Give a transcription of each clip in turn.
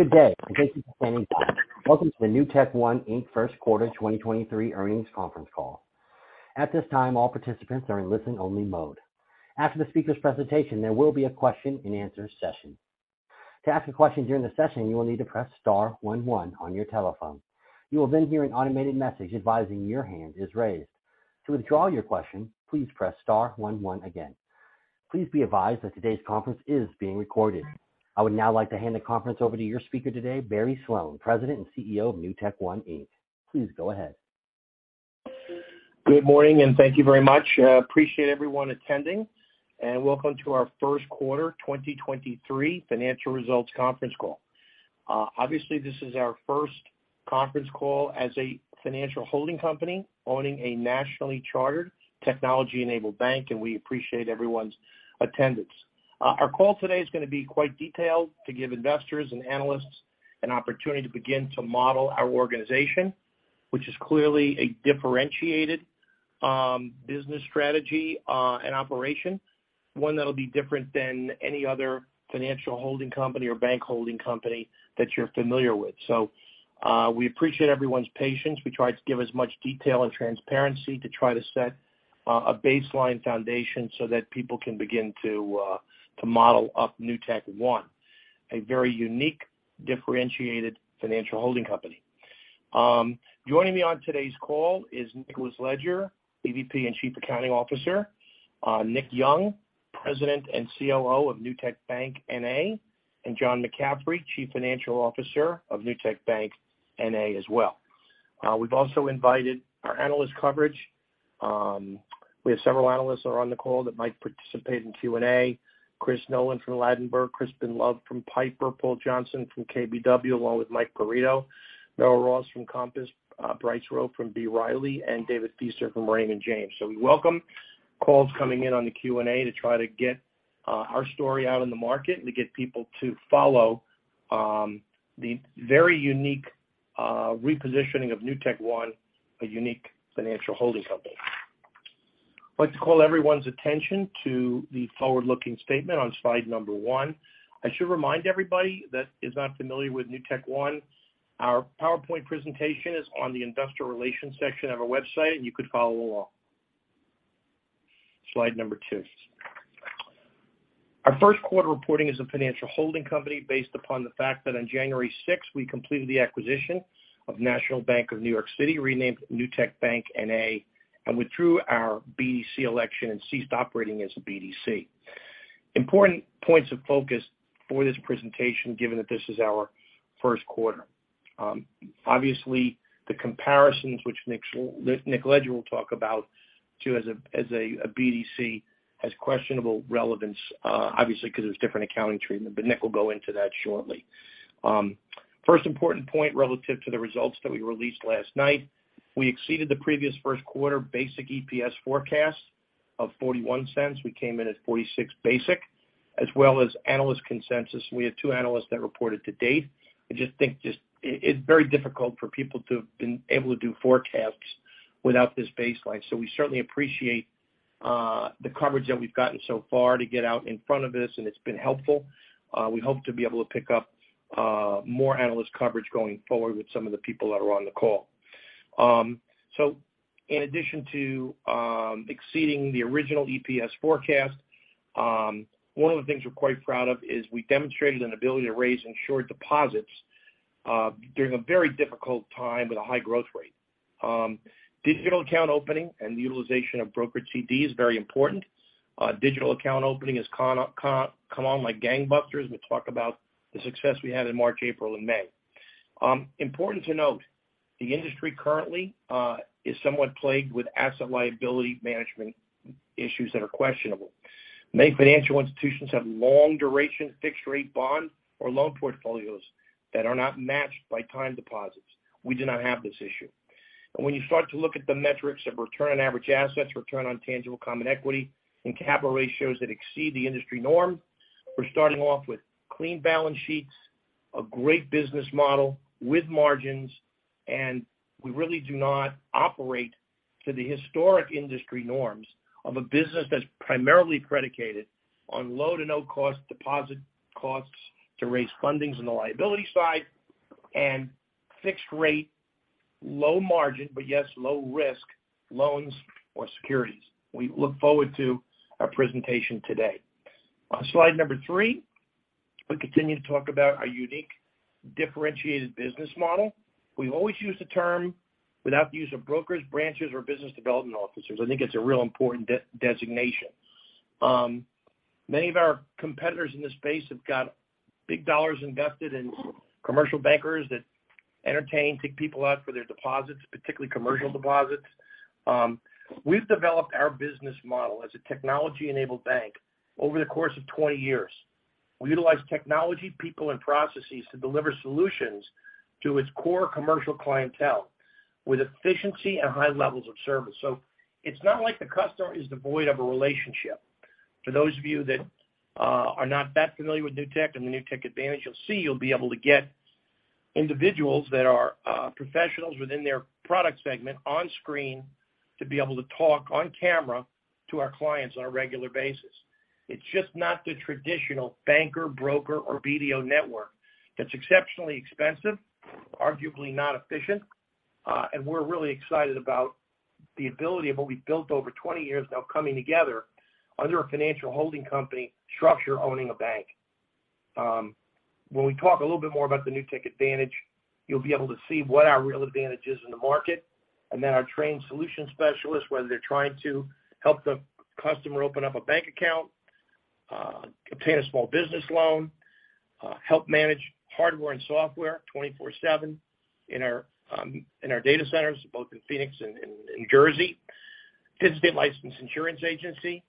Good day, and thank you for standing by. Welcome to the NewtekOne, Inc. First Quarter 2023 Earnings Conference Call. At this time, all participants are in listen-only mode. After the speaker's presentation, there will be a question-and-answer session. To ask a question during the session, you will need to press star one one on your telephone. You will then hear an automated message advising your hand is raised. To withdraw your question, please press star one one again. Please be advised that today's conference is being recorded. I would now like to hand the conference over to your speaker today, Barry Sloane, President and CEO of NewtekOne, Inc. Please go ahead. Good morning, and thank you very much. Appreciate everyone attending. Welcome to our First Quarter 2023 Financial Results Conference Call. Obviously, this is our first conference call as a financial holding company owning a nationally chartered technology-enabled bank, and we appreciate everyone's attendance. Our call today is gonna be quite detailed to give investors and analysts an opportunity to begin to model our organization, which is clearly a differentiated business strategy and operation, one that'll be different than any other financial holding company or bank holding company that you're familiar with. We appreciate everyone's patience. We try to give as much detail and transparency to try to set a baseline foundation so that people can begin to model up NewtekOne, a very unique, differentiated financial holding company. Joining me on today's call is Nicholas Leger, EVP and Chief Accounting Officer, Nick Young, President and COO of Newtek Bank, N.A., and John McCaffrey, Chief Financial Officer of Newtek Bank, N.A. as well. We've also invited our analyst coverage. We have several analysts that are on the call that might participate in Q&A. Chris Nolan from Ladenburg, Crispin Love from Piper, Paul Johnson from KBW, along with Mike Garrido, Noah Ross from Compass, Bryce Rowe from B. Riley, and David Feaster from Raymond James. We welcome calls coming in on the Q&A to try to get our story out in the market to get people to follow the very unique repositioning of NewtekOne, a unique financial holding company. I'd like to call everyone's attention to the forward-looking statement on slide number one. I should remind everybody that is not familiar with NewtekOne, our PowerPoint presentation is on the investor relations section of our website, and you could follow along. Slide number two. Our first quarter reporting as a financial holding company based upon the fact that on 6 January, we completed the acquisition of National Bank of New York City, renamed Newtek Bank, N.A., and withdrew our BDC election and ceased operating as a BDC. Important points of focus for this presentation, given that this is our first quarter. Obviously, the comparisons which Nick Ledger will talk about too as a, as a BDC has questionable relevance, obviously because it's different accounting treatment, but Nick will go into that shortly. First important point relative to the results that we released last night, we exceeded the previous first quarter basic EPS forecast of $0.41. We came in at $0.46 basic, as well as analyst consensus. We had two analysts that reported to date. I just think just it's very difficult for people to have been able to do forecasts without this baseline. We certainly appreciate, the coverage that we've gotten so far to get out in front of this, and it's been helpful. We hope to be able to pick up more analyst coverage going forward with some of the people that are on the call. In addition to, exceeding the original EPS forecast, one of the things we're quite proud of is we demonstrated an ability to raise insured deposits, during a very difficult time with a high growth rate. Digital account opening and the utilization of brokerage CD is very important. Digital account opening has come on like gangbusters. We'll talk about the success we had in March, April, and May. Important to note, the industry currently is somewhat plagued with asset liability management issues that are questionable. Many financial institutions have long duration fixed rate bond or loan portfolios that are not matched by time deposits. We do not have this issue. When you start to look at the metrics of return on average assets, return on tangible common equity, and capital ratios that exceed the industry norm, we're starting off with clean balance sheets, a great business model with margins, and we really do not operate to the historic industry norms of a business that's primarily predicated on low to no cost deposit costs to raise fundings on the liability side and fixed rate, low margin, but yes, low risk loans or securities. We look forward to our presentation today. On slide number three, we continue to talk about our unique differentiated business model. We've always used the term without the use of brokers, branches, or business development officers. I think it's a real important de-designation. Many of our competitors in this space have got big dollars invested in commercial bankers that entertain, take people out for their deposits, particularly commercial deposits. We've developed our business model as a technology-enabled bank over the course of 20 years. We utilize technology, people, and processes to deliver solutions to its core commercial clientele with efficiency and high levels of service. It's not like the customer is devoid of a relationship. For those of you that are not that familiar with Newtek and the Newtek Advantage, you'll see you'll be able to get individuals that are professionals within their product segment on screen to be able to talk on camera to our clients on a regular basis. It's just not the traditional banker, broker or BDO network that's exceptionally expensive, arguably not efficient. We're really excited about the ability of what we've built over 20 years now coming together under a financial holding company structure owning a bank. When we talk a little bit more about the Newtek Advantage, you'll be able to see what our real advantage is in the market. Our trained solution specialists, whether they're trying to help the customer open up a bank account, obtain a small business loan, help manage hardware and software 24/7 in our data centers, both in Phoenix and in Jersey. Physical licensed insurance agency,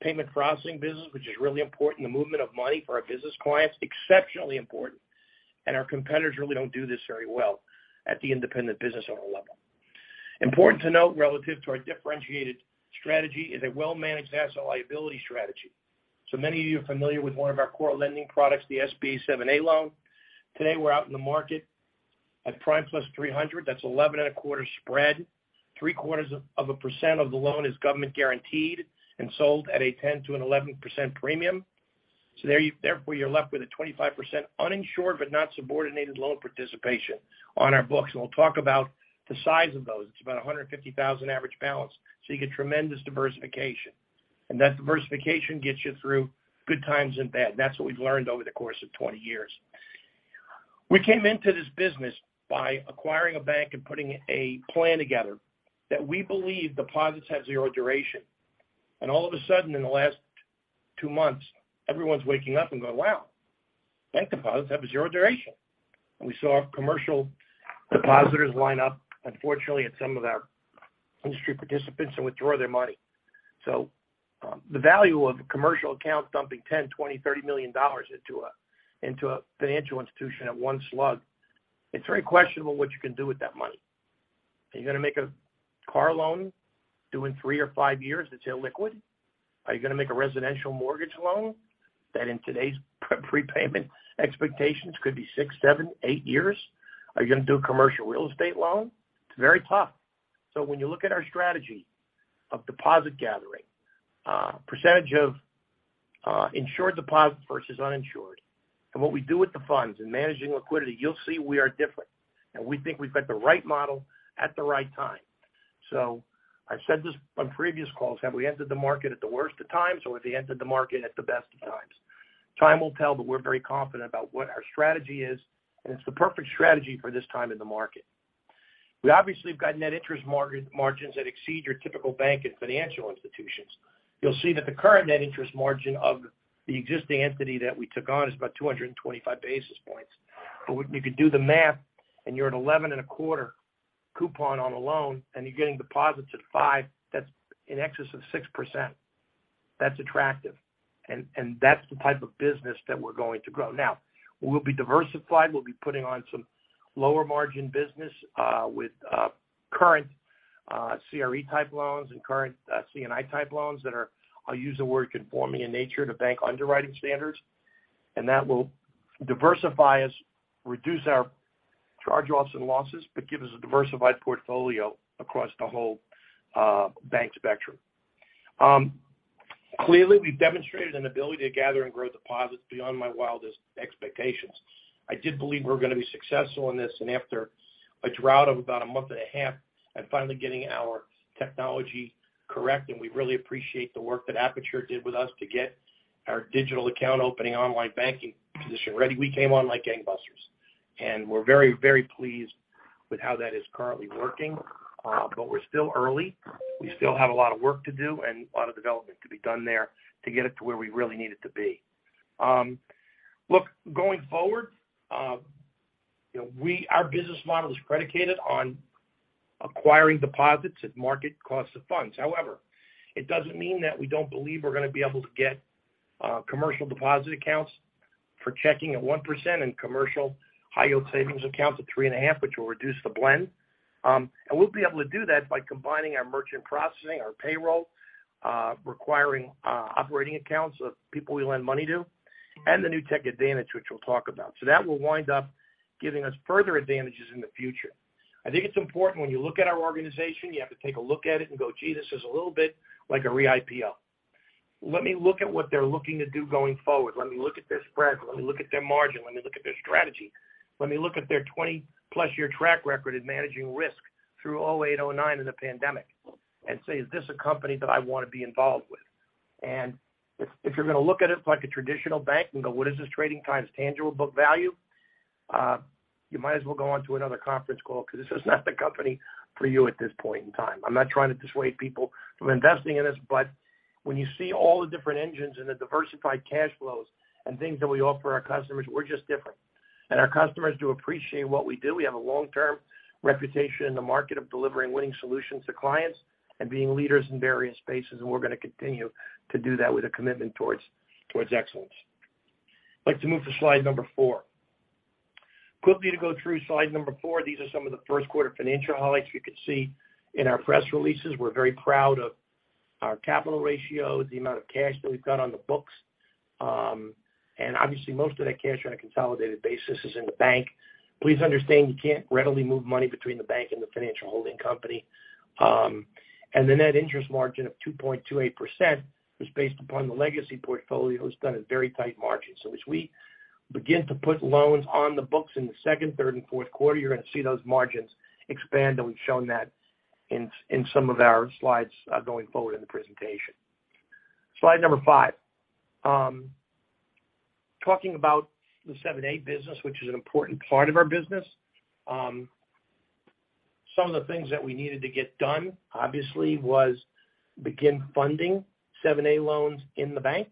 payment processing business, which is really important. The movement of money for our business clients, exceptionally important. Our competitors really don't do this very well at the independent business owner level. Important to note, relative to our differentiated strategy is a well-managed asset liability strategy. Many of you are familiar with one of our core lending products, the SBA 7(a) loan. Today, we're out in the market at prime plus 300. That's 11.25% spread. 0.75% of the loan is government guaranteed and sold at a 10%-11% premium. You therefore you're left with a 25% uninsured but not subordinated loan participation on our books. We'll talk about the size of those. It's about a $150,000 average balance. You get tremendous diversification. That diversification gets you through good times and bad. That's what we've learned over the course of 20 years. We came into this business by acquiring a bank and putting a plan together that we believe deposits have zero duration. All of a sudden, in the last two months, everyone's waking up and going, "Wow, bank deposits have a zero duration." We saw commercial depositors line up, unfortunately at some of our industry participants, and withdraw their money. The value of a commercial account dumping $10 million, $20 million, $30 million into a financial institution at one slug, it's very questionable what you can do with that money. Are you gonna make a car loan due in three or five years that's illiquid? Are you gonna make a residential mortgage loan that in today's prepayment expectations could be six, seven, eight years? Are you gonna do a commercial real estate loan? It's very tough. When you look at our strategy of deposit gathering, percentage of insured deposits versus uninsured, and what we do with the funds in managing liquidity, you'll see we are different. We think we've got the right model at the right time. I've said this on previous calls. Have we entered the market at the worst of times, or have we entered the market at the best of times? Time will tell, we're very confident about what our strategy is, and it's the perfect strategy for this time in the market. We obviously have got net interest margins that exceed your typical bank and financial institutions. You'll see that the current net interest margin of the existing entity that we took on is about 225 basis points. When you could do the math and you're at 11.25 coupon on a loan and you're getting deposits at 5%, that's in excess of 6%. That's attractive, and that's the type of business that we're going to grow. We'll be diversified. We'll be putting on some lower margin business, with current CRE type loans and current C&I type loans that are, I'll use the word conforming in nature to bank underwriting standards. That will diversify us, reduce our charge-offs and losses, but give us a diversified portfolio across the whole bank spectrum. Clearly, we've demonstrated an ability to gather and grow deposits beyond my wildest expectations. I did believe we're gonna be successful in this. After a drought of about a month and a half at finally getting our technology correct, we really appreciate the work that Apiture did with us to get our digital account opening online banking position ready. We came on like gangbusters. We're very, very pleased with how that is currently working. We're still early. We still have a lot of work to do and a lot of development to be done there to get it to where we really need it to be. Look, going forward, you know, our business model is predicated on acquiring deposits at market cost of funds. However, it doesn't mean that we don't believe we're gonna be able to get commercial deposit accounts for checking at 1% and commercial high yield savings accounts at 3.5%, which will reduce the blend. We'll be able to do that by combining our merchant processing, our payroll, requiring operating accounts of people we lend money to, and the Newtek Advantage, which we'll talk about. That will wind up giving us further advantages in the future. I think it's important when you look at our organization, you have to take a look at it and go, "Gee, this is a little bit like a re-IPO. Let me look at what they're looking to do going forward. Let me look at their spreads. Let me look at their margin. Let me look at their strategy. Let me look at their 20+ year track record in managing risk through 2008, 2009, and the pandemic," and say, "Is this a company that I wanna be involved with?" If you're gonna look at it like a traditional bank and go, "What is this trading times tangible book value?" You might as well go on to another conference call 'cause this is not the company for you at this point in time. I'm not trying to dissuade people from investing in this, but when you see all the different engines and the diversified cash flows and things that we offer our customers, we're just different. Our customers do appreciate what we do. We have a long-term reputation in the market of delivering winning solutions to clients and being leaders in various spaces, and we're gonna continue to do that with a commitment towards excellence. I'd like to move to slide number four. Quickly to go through slide number four. These are some of the first quarter financial highlights you could see in our press releases. We're very proud of our capital ratio, the amount of cash that we've got on the books, and obviously, most of that cash on a consolidated basis is in the bank. Please understand you can't readily move money between the bank and the financial holding company. The net interest margin of 2.28% was based upon the legacy portfolio. It's done at very tight margins. As we begin to put loans on the books in the second, third, and fourth quarter, you're gonna see those margins expand, and we've shown that in some of our slides going forward in the presentation. Slide number five. Talking about the 7(a) business, which is an important part of our business. Some of the things that we needed to get done, obviously, was begin funding 7(a) loans in the bank,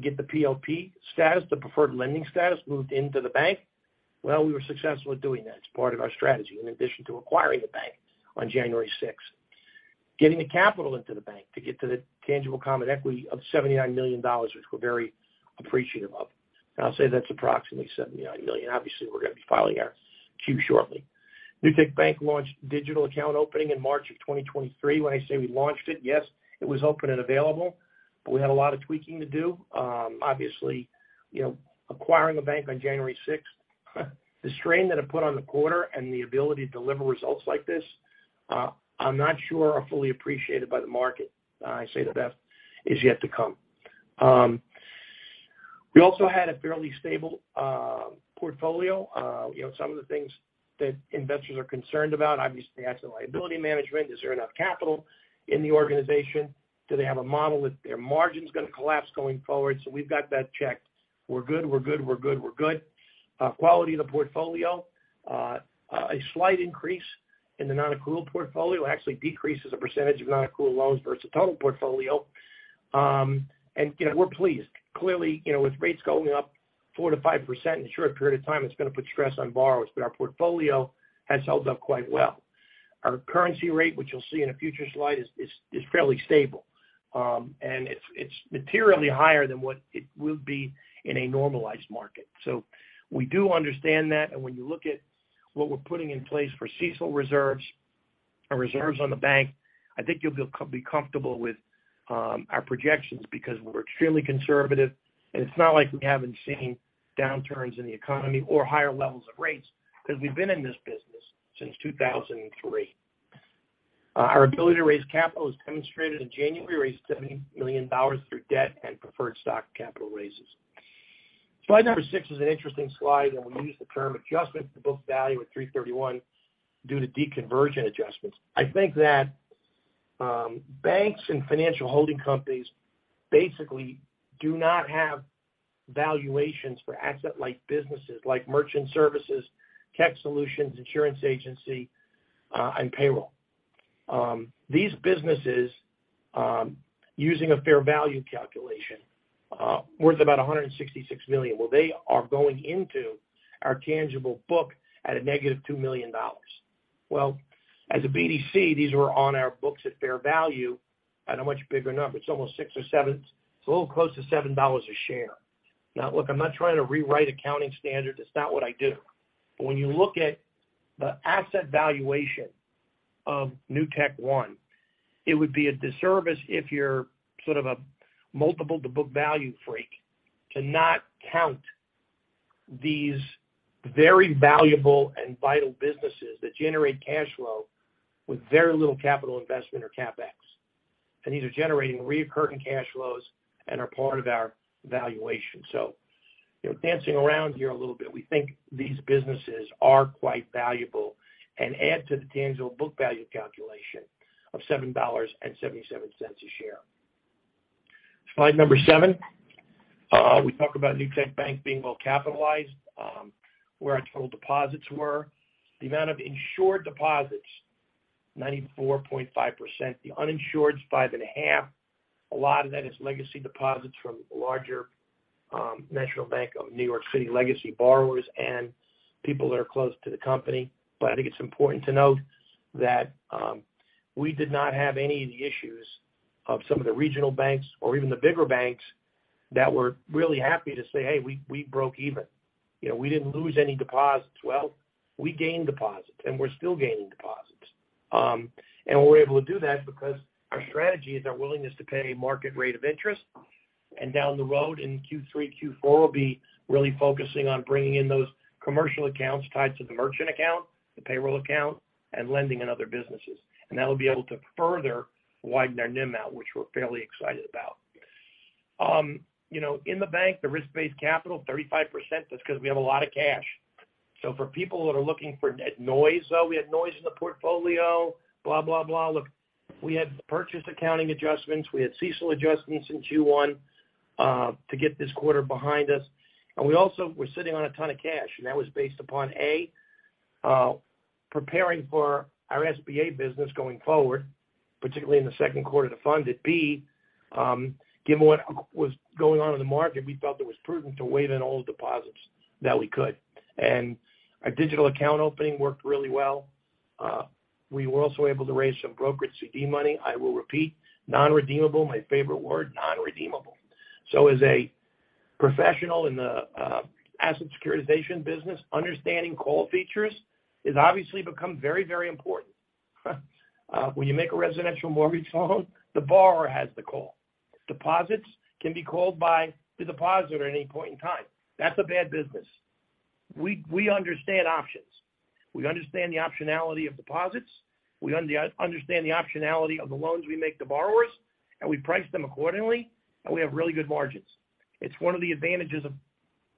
get the PLP status, the preferred lending status, moved into the bank. We were successful at doing that. It's part of our strategy. In addition to acquiring the bank on 6th January. Getting the capital into the bank to get to the tangible common equity of $79 million, which we're very appreciative of. I'll say that's approximately $79 million. Obviously, we're gonna be filing our Q shortly. Newtek Bank launched digital account opening in March of 2023. When I say we launched it, yes, it was open and available, but we had a lot of tweaking to do. Obviously, you know, acquiring the bank on January 6, the strain that it put on the quarter and the ability to deliver results like this, I'm not sure are fully appreciated by the market. I say the best is yet to come. We also had a fairly stable portfolio. You know, some of the things that investors are concerned about, obviously, asset liability management. Is there enough capital in the organization? Do they have a model that their margin's gonna collapse going forward? We've got that checked. We're good, we're good, we're good, we're good. Quality of the portfolio. A slight increase in the non-accrual portfolio. Actually decreases the percentage of non-accrual loans versus total portfolio. You know, we're pleased. Clearly, you know, with rates going up 4% to 5% in a short period of time, it's gonna put stress on borrowers, but our portfolio has held up quite well. Our currency rate, which you'll see in a future slide, is fairly stable. It's materially higher than what it will be in a normalized market. We do understand that. When you look at what we're putting in place for CECL reserves and reserves on the bank, I think you'll be comfortable with our projections because we're extremely conservative. It's not like we haven't seen downturns in the economy or higher levels of rates because we've been in this business since 2003. Our ability to raise capital is demonstrated in January, we raised $70 million through debt and preferred stock capital raises. Slide number six is an interesting slide, and we use the term adjustment to book value at 3/31 due to deconversion adjustments. I think that banks and financial holding companies basically do not have valuations for asset-like businesses like merchant services, tech solutions, insurance agency, and payroll. These businesses, using a fair value calculation, worth about $166 million. They are going into our tangible book at a negative $2 million. As a BDC, these were on our books at fair value at a much bigger number. It's almost six or seven. It's a little close to $7 a share. Look, I'm not trying to rewrite accounting standards. That's not what I do. When you look at the asset valuation of NewtekOne, it would be a disservice if you're sort of a multiple-to-book value freak to not count these very valuable and vital businesses that generate cash flow with very little capital investment or CapEx. These are generating reoccurring cash flows and are part of our valuation. You know, dancing around here a little bit, we think these businesses are quite valuable and add to the tangible book value calculation of $7.77 a share. Slide number seven. We talk about Newtek Bank being well capitalized, where our total deposits were. The amount of insured deposits, 94.5%. The uninsured is 5.5%. A lot of that is legacy deposits from larger National Bank of New York City legacy borrowers and people that are close to the company. I think it's important to note that we did not have any of the issues of some of the regional banks or even the bigger banks that were really happy to say, "Hey, we broke even. You know, we didn't lose any deposits." We gained deposits, and we're still gaining deposits. We're able to do that because our strategy is our willingness to pay market rate of interest. Down the road in Q3, Q4, we'll be really focusing on bringing in those commercial accounts tied to the merchant account, the payroll account, and lending in other businesses. That'll be able to further widen our NIM out, which we're fairly excited about. You know, in the bank, the risk-based capital, 35%. That's because we have a lot of cash. For people that are looking for net noise, though, we had noise in the portfolio, blah, blah. Look, we had purchase accounting adjustments. We had CECL adjustments in Q1 to get this quarter behind us. We also were sitting on a ton of cash, and that was based upon, A, preparing for our SBA business going forward, particularly in the second quarter to fund it. B, given what was going on in the market, we felt it was prudent to weigh in all deposits that we could. Our digital account opening worked really well. We were also able to raise some brokerage CD money. I will repeat, non-redeemable, my favorite word, non-redeemable. As a professional in the asset securitization business, understanding call features has obviously become very, very important. When you make a residential mortgage loan, the borrower has the call. Deposits can be called by the depositor at any point in time. That's a bad business. We understand options. We understand the optionality of deposits. We understand the optionality of the loans we make to borrowers, and we price them accordingly, and we have really good margins. It's one of the advantages of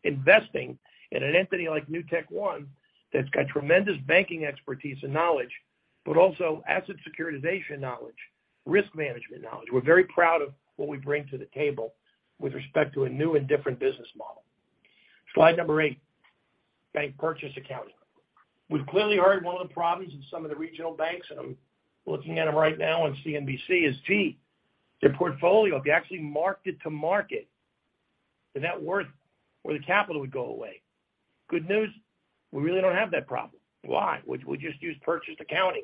investing in an entity like NewtekOne that's got tremendous banking expertise and knowledge, but also asset securitization knowledge, risk management knowledge. We're very proud of what we bring to the table with respect to a new and different business model. Slide number eight, bank purchase accounting. We've clearly heard one of the problems in some of the regional banks, and I'm looking at them right now on CNBC, is, gee, their portfolio, if you actually marked it to market, the net worth or the capital would go away. Good news, we really don't have that problem. Why? We just use purchased accounting.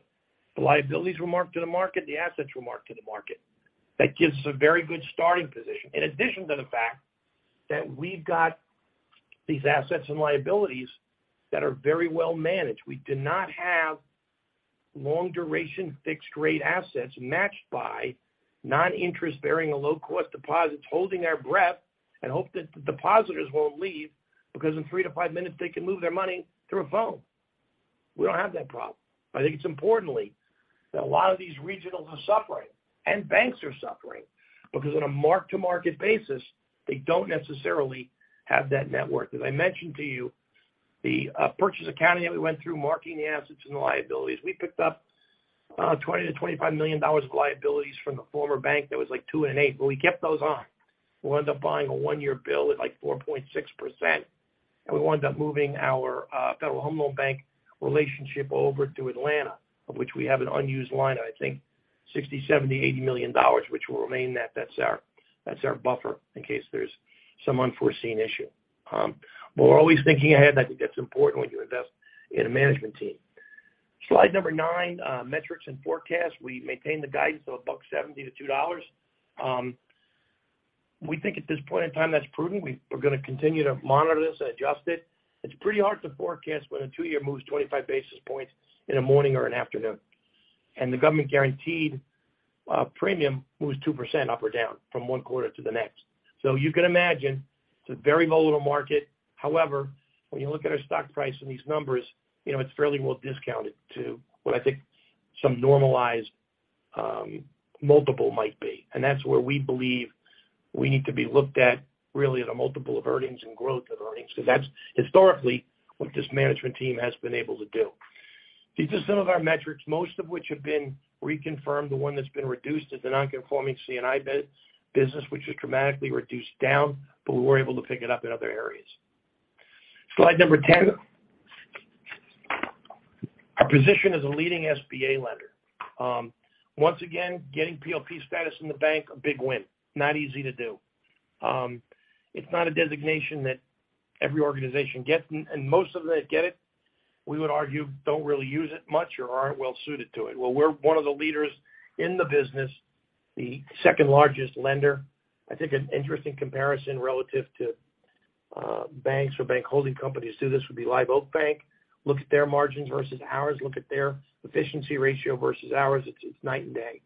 The liabilities were marked to the market, the assets were marked to the market. That gives us a very good starting position. In addition to the fact that we've got these assets and liabilities that are very well managed. We do not have long duration fixed rate assets matched by non-interest bearing or low cost deposits, holding our breath and hope that the depositors won't leave because in three to five minutes they can move their money through a phone. We don't have that problem. I think it's importantly that a lot of these regionals are suffering and banks are suffering because on a mark to market basis, they don't necessarily have that network. As I mentioned to you, the purchase accounting that we went through, marking the assets and the liabilities, we picked up $20 million to $25 million of liabilities from the former bank that was like two and an eight. Well, we kept those on. We'll end up buying a one year bill at, like, 4.6%. We wound up moving our Federal Home Loan Bank relationship over to Atlanta, of which we have an unused line of, I think, $60 million, $70 million, $80 million, which will remain that. That's our buffer in case there's some unforeseen issue. We're always thinking ahead. I think that's important when you invest in a management team. Slide number nine, metrics and forecasts. We maintain the guidance of $1.70-$2.00. We think at this point in time, that's prudent. We're gonna continue to monitor this and adjust it. It's pretty hard to forecast when a two year moves 25 basis points in a morning or an afternoon, the government-guaranteed premium moves 2% up or down from one quarter to the next. You can imagine it's a very volatile market. However, when you look at our stock price and these numbers, you know, it's fairly well discounted to what I think some normalized multiple might be. That's where we believe we need to be looked at really at a multiple of earnings and growth of earnings, because that's historically what this management team has been able to do. These are some of our metrics, most of which have been reconfirmed. The one that's been reduced is the non-conforming C&I business, which has dramatically reduced down, but we were able to pick it up in other areas. Slide number 10. Our position as a leading SBA lender. Once again, getting PLP status in the bank, a big win. Not easy to do. It's not a designation that every organization gets. Most of them that get it, we would argue, don't really use it much or aren't well suited to it. Well, we're one of the leaders in the business, the second largest lender. I think an interesting comparison relative to banks or bank holding companies too, this would be Live Oak Bank. Look at their margins versus ours. Look at their efficiency ratio versus ours. It's night and day.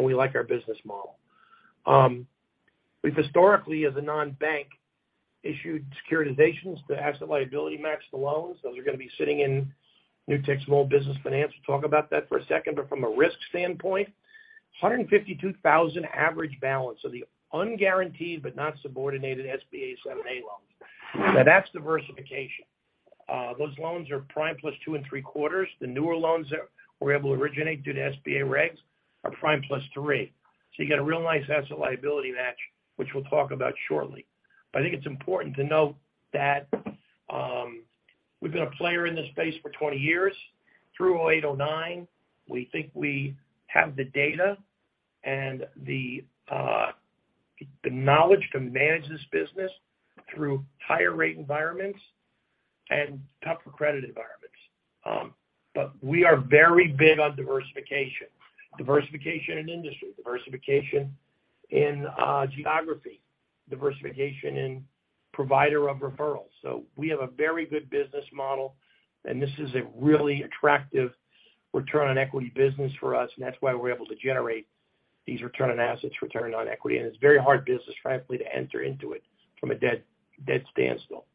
We like our business model. We've historically as a non-bank issued securitizations to asset liability match the loans. Those are gonna be sitting in Newtek's Small Business Finance. We'll talk about that for a second. From a risk standpoint, 152,000 average balance of the unguaranteed but not subordinated SBA 7(a) loans. Now that's diversification. Those loans are prime +2 and three quarters. The newer loans that we're able to originate due to SBA regs are prime plus three. You got a real nice asset liability match, which we'll talk about shortly. I think it's important to note that we've been a player in this space for 20 years through 08, 09. We think we have the data and the knowledge to manage this business through higher rate environments and tougher credit environments. We are very big on diversification. Diversification in industry, diversification in geography, diversification in provider of referrals. We have a very good business model, and this is a really attractive return on equity business for us, and that's why we're able to generate these return on assets, return on equity. It's a very hard business, frankly, to enter into it from a dead standstill.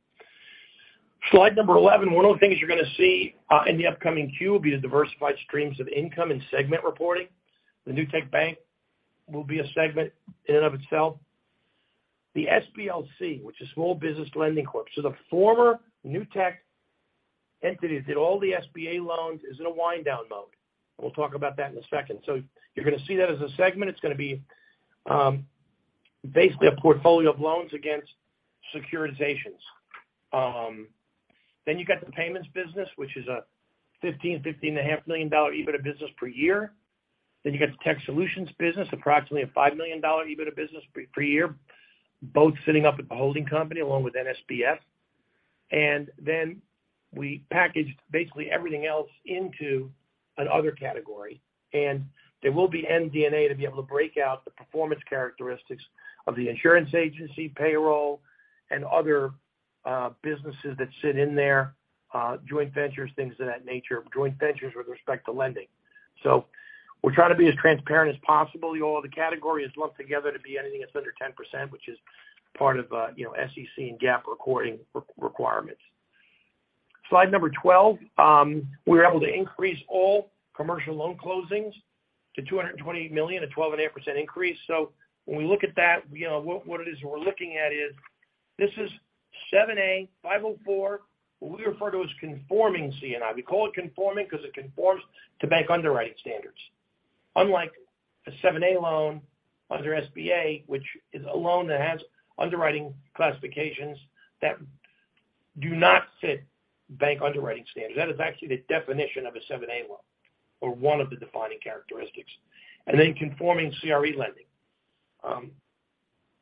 Slide number 11. One of the things you're gonna see in the upcoming Q will be the diversified streams of income and segment reporting. The Newtek Bank will be a segment in and of itself. The SBLC, which is Small Business Lending Corp., the former Newtek entity that did all the SBA loans is in a wind down mode, and we'll talk about that in a second. You're gonna see that as a segment. It's gonna be basically a portfolio of loans against securitizations. You got the payments business, which is a $15.5 million EBITDA business per year. You got the tech solutions business, approximately a $5 million EBITDA business per year, both sitting up at the holding company along with NSBF. We packaged basically everything else into an other category. There will be MD&A to be able to break out the performance characteristics of the insurance agency payroll and other businesses that sit in there, joint ventures, things of that nature, joint ventures with respect to lending. We try to be as transparent as possible. All the categories lumped together to be anything that's under 10%, which is part of, you know, SEC and GAAP recording requirements. Slide number 12. We were able to increase all commercial loan closings to $228 million, a 12.8% increase. When we look at that, you know, what it is we're looking at is this is 7(a), 504, what we refer to as conforming C&I. We call it conforming because it conforms to bank underwriting standards. Unlike a 7(a) loan under SBA, which is a loan that has underwriting classifications that do not fit bank underwriting standards. That is actually the definition of a 7(a) loan or one of the defining characteristics. Conforming CRE lending.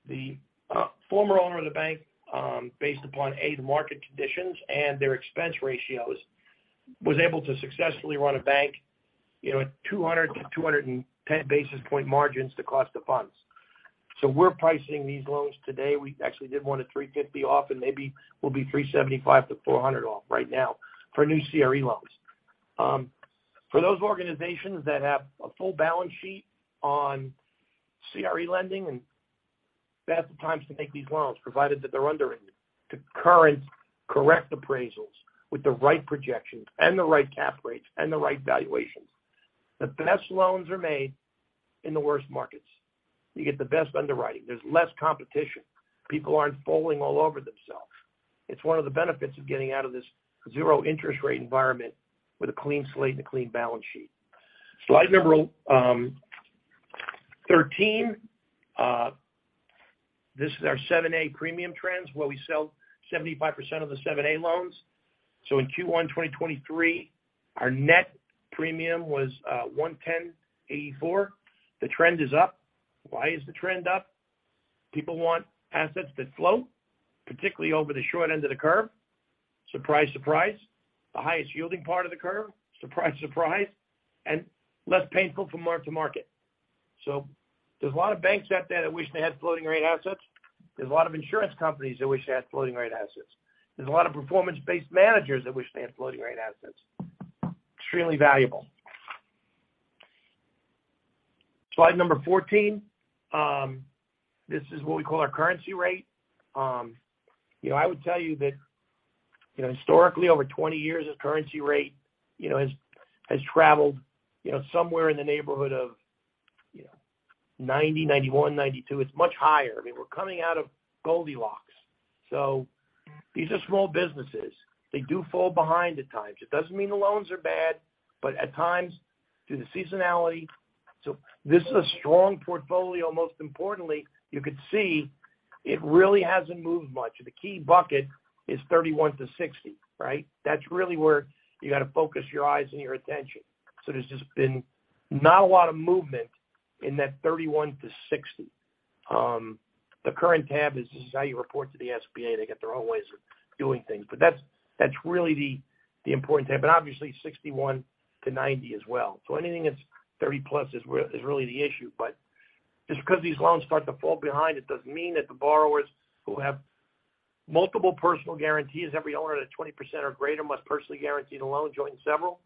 The former owner of the bank, based upon the market conditions and their expense ratios, was able to successfully run a bank, you know, at 200-210 basis point margins to cost of funds. We're pricing these loans today. We actually did one at 350 off, and maybe we'll be 375-400 off right now for new CRE loans. For those organizations that have a full balance sheet on CRE lending, and that's the times to make these loans, provided that they're underwriting to current correct appraisals with the right projections and the right cap rates and the right valuations. The best loans are made in the worst markets. You get the best underwriting. There's less competition. People aren't falling all over themselves. It's one of the benefits of getting out of this zero interest rate environment with a clean slate and a clean balance sheet. Slide number 13. This is our 7(a) premium trends where we sell 75% of the 7(a) loans. In Q1 2023, our net premium was $110.84. The trend is up. Why is the trend up? People want assets that float, particularly over the short end of the curve. Surprise, surprise. The highest yielding part of the curve, surprise. Less painful from mark to market. There's a lot of banks out there that wish they had floating rate assets. There's a lot of insurance companies that wish they had floating rate assets. There's a lot of performance-based managers that wish they had floating rate assets. Extremely valuable. Slide number 14. This is what we call our currency rate. You know, I would tell you that, you know, historically, over 20 years of currency rate, you know, has traveled, you know, somewhere in the neighborhood of, you know, 90, 91, 92. It's much higher. I mean, we're coming out of Goldilocks. These are small businesses. They do fall behind at times. It doesn't mean the loans are bad, but at times, due to seasonality... This is a strong portfolio. Most importantly, you could see it really hasn't moved much. The key bucket is 31 to 60, right? That's really where you got to focus your eyes and your attention. There's just been not a lot of movement in that 31 to 60. The current tab is this is how you report to the SBA. They got their own ways of doing things. That's really the important tab. Obviously 61 to 90 as well. Anything that's 30+ is really the issue. Just because these loans start to fall behind, it doesn't mean that the borrowers who have multiple personal guarantees, every owner that 20% or greater must personally guarantee the loan, join several.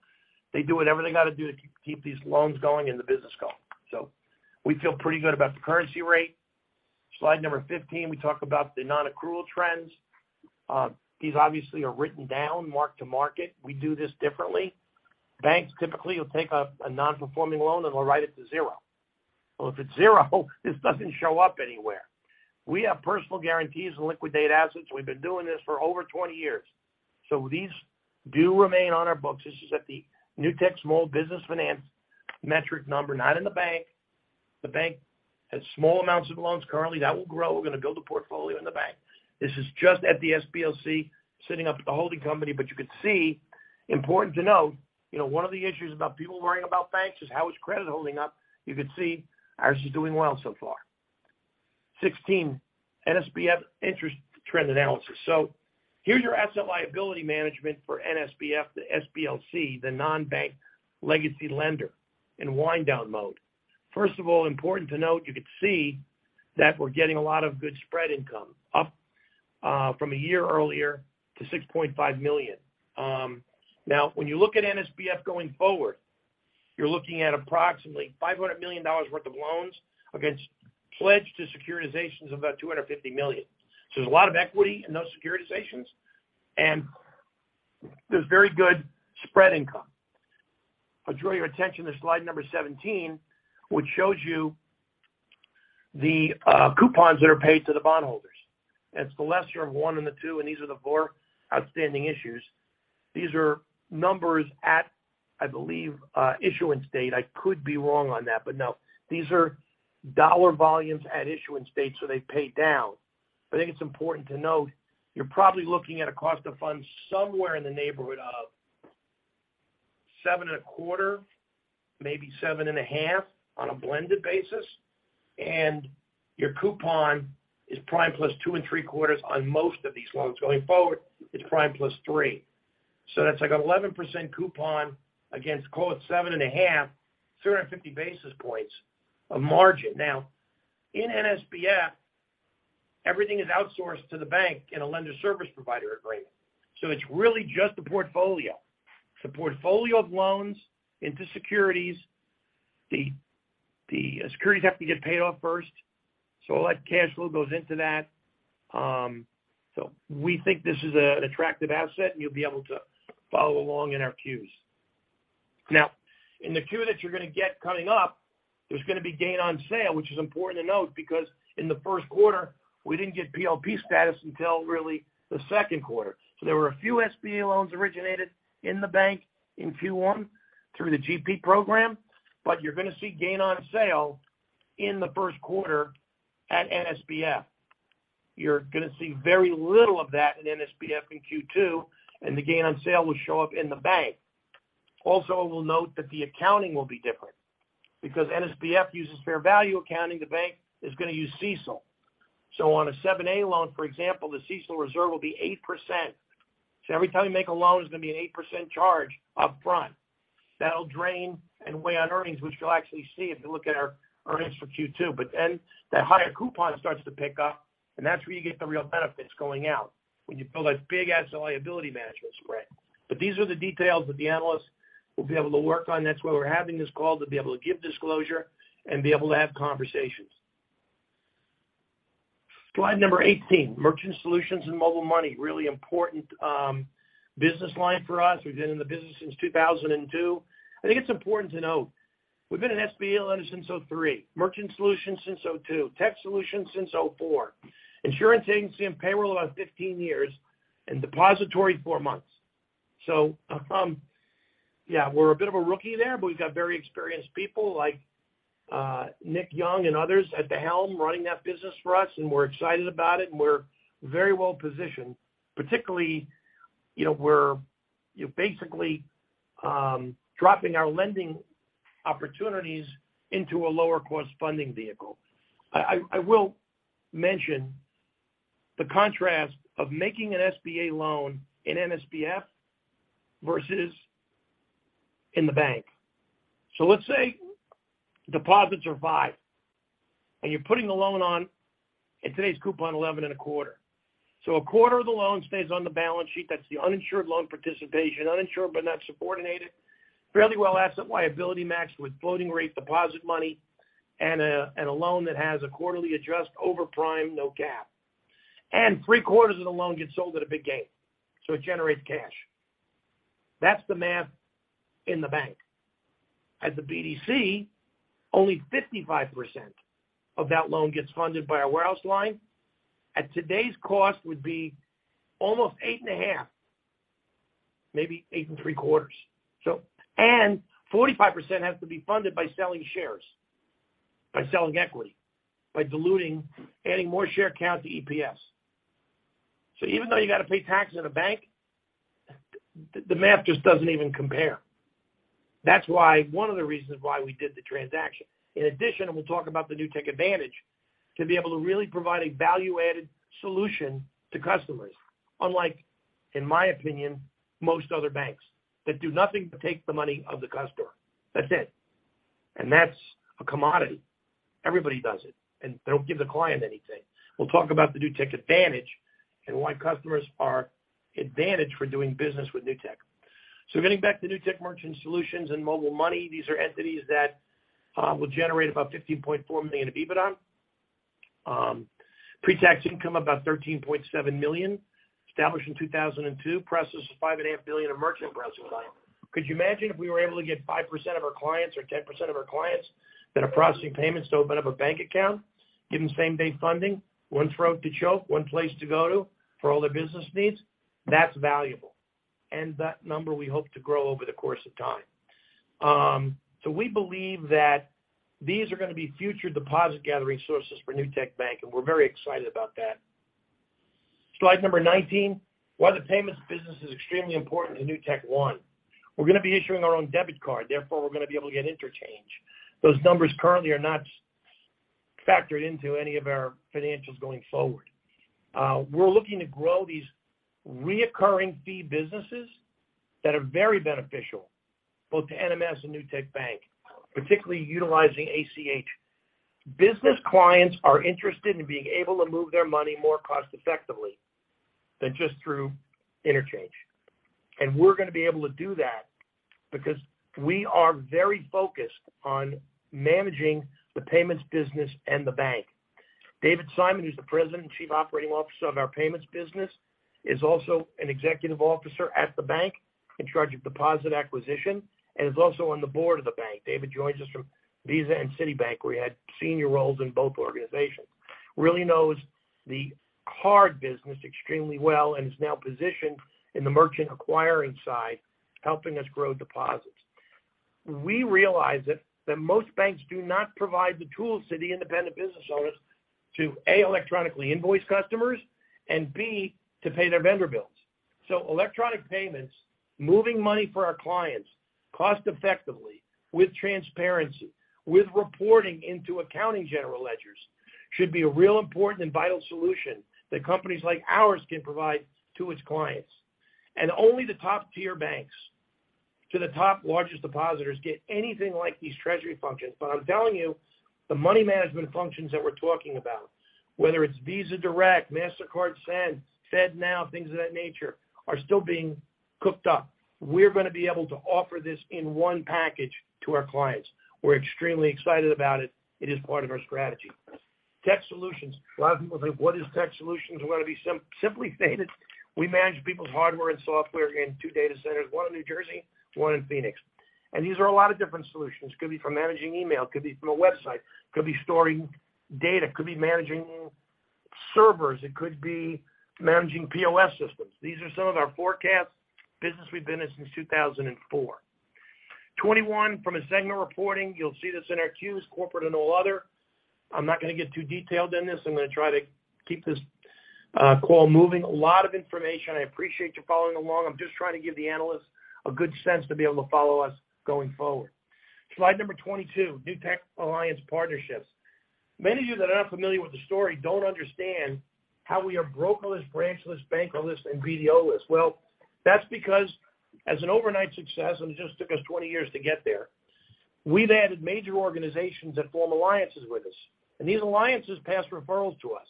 They do whatever they gotta do to keep these loans going and the business going. We feel pretty good about the currency rate. Slide number 15, we talk about the non-accrual trends. These obviously are written down mark to market. We do this differently. Banks typically will take a non-performing loan, and we'll write it to zero. Well, if it's zero, this doesn't show up anywhere. We have personal guarantees and liquidate assets. We've been doing this for over 20 years. These do remain on our books. This is at the Newtek Small Business Finance metric number, not in the bank. The bank has small amounts of loans currently. That will grow. We're gonna build a portfolio in the bank. This is just at the SBLC, sitting up at the holding company. You could see, important to note, you know, one of the issues about people worrying about banks is how is credit holding up. You could see ours is doing well so far. 16. NSBF interest trend analysis. Here's your asset liability management for NSBF, the SBLC, the non-bank legacy lender in wind down mode. First of all, important to note, you could see that we're getting a lot of good spread income, up from a year earlier to $6.5 million. When you look at NSBF going forward, you're looking at approximately $500 million worth of loans against pledge to securitizations of about $250 million. There's a lot of equity in those securitizations, and there's very good spread income. I'll draw your attention to slide number 17, which shows you the coupons that are paid to the bond holders. It's the lesser of one and the two, and these are the four outstanding issues. These are numbers at, I believe, issuance date. I could be wrong on that. No, these are dollar volumes at issuance date, so they pay down. I think it's important to note, you're probably looking at a cost of funds somewhere in the neighborhood of 7.25%, maybe 7.5% on a blended basis. Your coupon is prime plus 2.75% on most of these loans. Going forward, it's prime plus 3%. That's like 11% coupon against quote 7.5%, 350 basis points of margin. Now in NSBF, everything is outsourced to the bank in a lender service provider agreement. It's really just a portfolio. It's a portfolio of loans into securities. The securities have to get paid off first. All that cash flow goes into that. We think this is an attractive asset, and you'll be able to follow along in our Qs. In the Q that you're gonna get coming up, there's gonna be gain on sale, which is important to note because in the first quarter we didn't get PLP status until really the second quarter. There were a few SBA loans originated in the bank in Q1 through the GP program, but you're gonna see gain on sale in the first quarter at NSBF. You're gonna see very little of that in NSBF in Q2. The gain on sale will show up in the bank. We'll note that the accounting will be different because NSBF uses fair value accounting. The bank is gonna use CECL. On a 7(a) loan, for example, the CECL reserve will be 8%. Every time you make a loan, there's gonna be an 8% charge upfront that'll drain and weigh on earnings, which you'll actually see if you look at our earnings for Q2. That higher coupon starts to pick up and that's where you get the real benefits going out when you build a big ass liability management spread. These are the details that the analysts will be able to work on. That's why we're having this call to be able to give disclosure and be able to have conversations. Slide number 18, Merchant Solutions and Mobile Money. Really important, business line for us. We've been in the business since 2002. I think it's important to note we've been an SBA lender since 2003, Merchant Solutions since 2002, Tech Solutions since 2004, insurance agency and payroll about 15 years and depository four months. Yeah, we're a bit of a rookie there, but we've got very experienced people like Nick Young and others at the helm running that business for us. We're excited about it and we're very well positioned. Particularly, you know, we're basically dropping our lending opportunities into a lower cost funding vehicle. I will mention the contrast of making an SBA loan in NSBF versus in the bank. Let's say deposits are 5% and you're putting the loan on at today's coupon 11.25%. A quarter of the loan stays on the balance sheet. That's the uninsured loan participation. Uninsured but not subordinated, fairly well asset liability matched with floating rate deposit money and a loan that has a quarterly adjust over prime, no cap. Three-quarters of the loan gets sold at a big gain, so it generates cash. That's the math in the bank. At the BDC, only 55% of that loan gets funded by our warehouse line. At today's cost would be almost 8.5%, maybe 8.75%. And 45% has to be funded by selling shares, by selling equity, by diluting, adding more share count to EPS. Even though you got to pay tax in a bank, the math just doesn't even compare. That's why one of the reasons why we did the transaction. In addition, we'll talk about the Newtek Advantage to be able to really provide a value-added solution to customers, unlike in my opinion, most other banks that do nothing but take the money of the customer. That's it. That's a commodity. Everybody does it and they don't give the client anything. We'll talk about the Newtek Advantage and why customers are advantaged for doing business with Newtek. Getting back to Newtek Merchant Solutions and Mobile Money, these are entities that will generate about $15.4 million of EBITDA. Pre-tax income about $13.7 million. Established in 2002. Processed $5.5 billion of merchant processing volume. Could you imagine if we were able to get 5% of our clients or 10% of our clients that are processing payments to open up a bank account, give them same-day funding, one throat to choke, one place to go to for all their business needs? That's valuable. That number we hope to grow over the course of time. We believe that these are gonna be future deposit gathering sources for Newtek Bank and we're very excited about that. Slide number 19. Why the payments business is extremely important to NewtekOne. We're gonna be issuing our own debit card, therefore we're gonna be able to get interchange. Those numbers currently are not factored into any of our financials going forward. We're looking to grow these reoccurring fee businesses that are very beneficial both to NMS and Newtek Bank, particularly utilizing ACH. Business clients are interested in being able to move their money more cost effectively than just through interchange. We're gonna be able to do that because we are very focused on managing the payments business and the bank. David Simon, who's the president and chief operating officer of our payments business is also an executive officer at the bank in charge of deposit acquisition and is also on the board of the bank. David joins us from Visa and Citibank, where he had senior roles in both organizations. Really knows the card business extremely well and is now positioned in the merchant acquiring side, helping us grow deposits. We realize that most banks do not provide the tools to the independent business owners to, A, electronically invoice customers and B, to pay their vendor bills. Electronic payments, moving money for our clients cost effectively with transparency, with reporting into accounting general ledgers should be a real important and vital solution that companies like ours can provide to its clients. Only the top tier banks to the top largest depositors get anything like these treasury functions. I'm telling you, the money management functions that we're talking about, whether it's Visa Direct, Mastercard Send, FedNow, things of that nature, are still being cooked up. We're gonna be able to offer this in one package to our clients. We're extremely excited about it. It is part of our strategy. Tech solutions. A lot of people think, what is tech solutions gonna be? Simply stated, we manage people's hardware and software in two data centers, one in New Jersey, one in Phoenix. These are a lot of different solutions. It could be from managing email, it could be from a website, it could be storing data, it could be managing servers, it could be managing POS systems. These are some of our forecast business we've been in since 2004. 21 from a segment reporting. You'll see this in our Qs, corporate and all other. I'm not going to get too detailed in this. I'm going to try to keep this call moving. A lot of information. I appreciate you following along. I'm just trying to give the analysts a good sense to be able to follow us going forward. Slide number 22, Newtek Alliance Partnerships. Many of you that are not familiar with the story don't understand how we are brokerless, branchless, bankerless, and BDO-less. That's because as an overnight success, and it just took us 20 years to get there, we've added major organizations that form alliances with us, and these alliances pass referrals to us.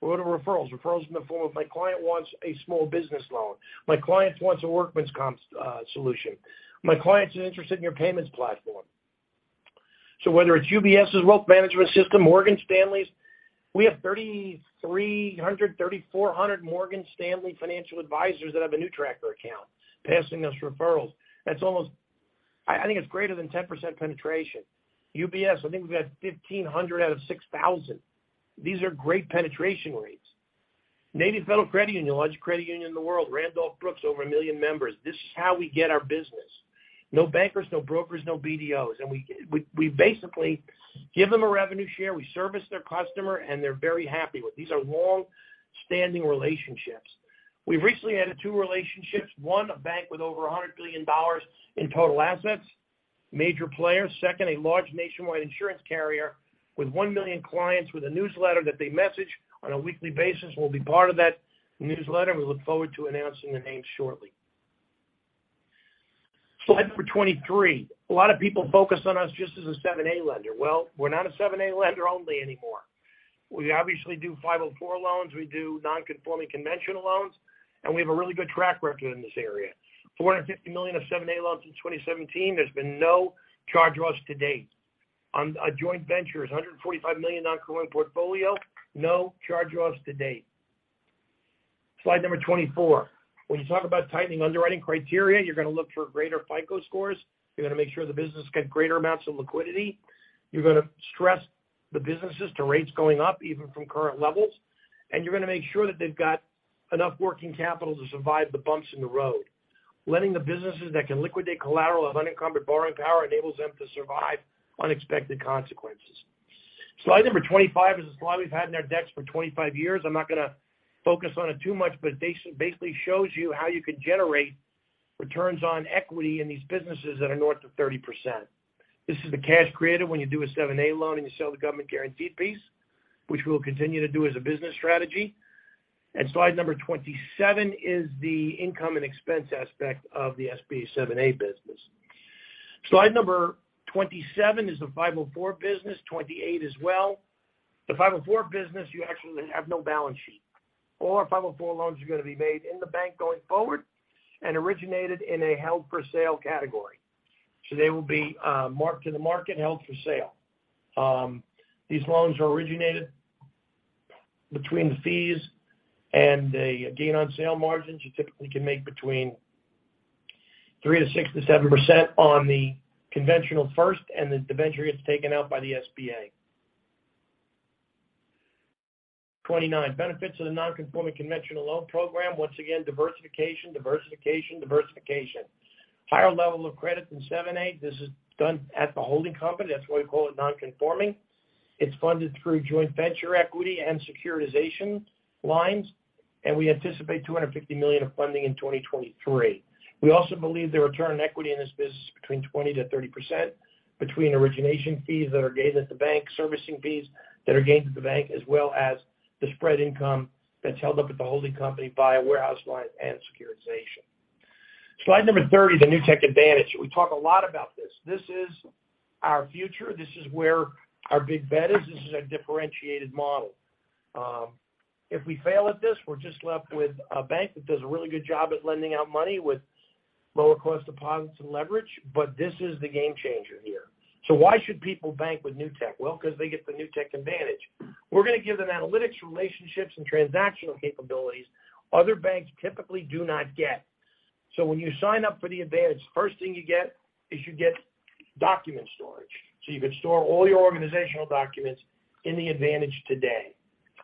What are referrals? Referrals in the form of my client wants a small business loan. My client wants a workman's comp solution. My client's interested in your payments platform. Whether it's UBS's wealth management system, Morgan Stanley's. We have 3,300, 3,400 Morgan Stanley financial advisors that have a NewTracker account passing us referrals. That's almost I think it's greater than 10% penetration. UBS, I think we've got 1,500 out of 6,000. These are great penetration rates. Navy Federal Credit Union, the largest credit union in the world. Randolph Brooks, over one million members. This is how we get our business. No bankers, no brokers, no BDOs. We basically give them a revenue share. We service their customer, and they're very happy with. These are longstanding relationships. We've recently added two relationships, one, a bank with over $100 billion in total assets, major player. Second, a large nationwide insurance carrier with 1 million clients with a newsletter that they message on a weekly basis, will be part of that newsletter. We look forward to announcing the name shortly. Slide number 23. A lot of people focus on us just as a 7(a) lender. Well, we're not a 7(a) lender only anymore. We obviously do 504 loans. We do non-conforming conventional loans. We have a really good track record in this area. $450 million of 7(a) loans in 2017. There's been no charge to us to date. On joint ventures, a $145 million non-conforming portfolio, no charge to us to date. Slide number 24. When you talk about tightening underwriting criteria, you're gonna look for greater FICO scores. You're gonna make sure the business get greater amounts of liquidity. You're gonna stress the businesses to rates going up even from current levels. You're gonna make sure that they've got enough working capital to survive the bumps in the road. Lending the businesses that can liquidate collateral of unencumbered borrowing power enables them to survive unexpected consequences. Slide number 25 is a slide we've had in our decks for 25 years. I'm not gonna focus on it too much, but basically shows you how you can generate returns on equity in these businesses that are north of 30%. This is the cash created when you do a 7(a) loan and you sell the government guaranteed piece, which we'll continue to do as a business strategy. Slide number 27 is the income and expense aspect of the SBA 7(a) business. Slide number 27 is the 504 business, 28 as well. The 504 business, you actually have no balance sheet. All our 504 loans are gonna be made in the bank going forward and originated in a held for sale category. They will be marked to the market and held for sale. These loans are originated between the fees and a gain on sale margins. You typically can make between 3%-6%-7% on the conventional first, and the debenture gets taken out by the SBA. 29 benefits of the non-conforming conventional loan program. Once again, diversification, diversification. Higher level of credit than 7(a). This is done at the holding company. That's why we call it non-conforming. It's funded through joint venture equity and securitization lines, and we anticipate $250 million of funding in 2023. We also believe the return on equity in this business between 20%-30%, between origination fees that are gained at the bank, servicing fees that are gained at the bank, as well as the spread income that's held up at the holding company via warehouse line and securitization. Slide number 30, the Newtek Advantage. We talk a lot about this. This is our future. This is where our big bet is. This is our differentiated model. If we fail at this, we're just left with a bank that does a really good job at lending out money with lower cost deposits and leverage, but this is the game changer here. Why should people bank with Newtek? Well, 'cause they get the Newtek Advantage. We're gonna give them analytics, relationships, and transactional capabilities other banks typically do not get. When you sign up for the Newtek Advantage, first thing you get is document storage, you can store all your organizational documents in the Newtek Advantage today.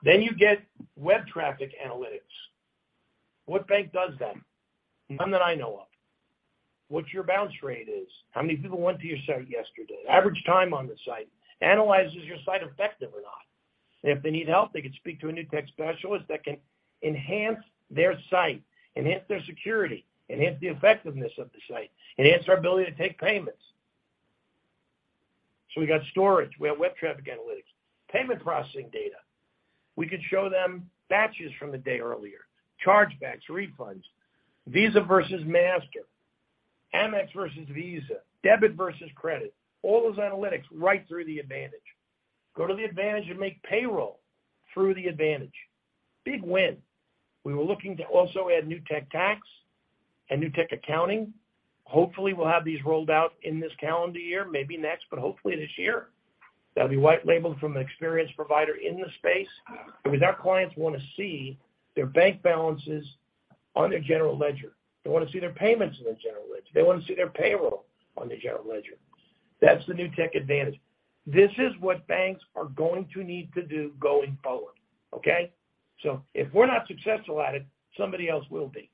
You get web traffic analytics. What bank does that? None that I know of. What your bounce rate is. How many people went to your site yesterday? Average time on the site. Analyzes your site, effective or not. If they need help, they can speak to a Newtek specialist that can enhance their site, enhance their security, enhance the effectiveness of the site, enhance their ability to take payments. We got storage, we have web traffic analytics. Payment processing data. We could show them batches from the day earlier. Chargebacks, refunds, Visa versus Master, Amex versus Visa, debit versus credit, all those analytics right through the Newtek Advantage. Go to the Newtek Advantage and make payroll through the Newtek Advantage. Big win. We were looking to also add Newtek Tax and Newtek Accounting. Hopefully, we'll have these rolled out in this calendar year, maybe next, but hopefully this year. That'll be white labeled from an experienced provider in the space. I mean, our clients wanna see their bank balances on their general ledger. They wanna see their payments in their general ledger. They wanna see their payroll on their general ledger. That's the Newtek Advantage. This is what banks are going to need to do going forward, okay? If we're not successful at it, somebody else will be,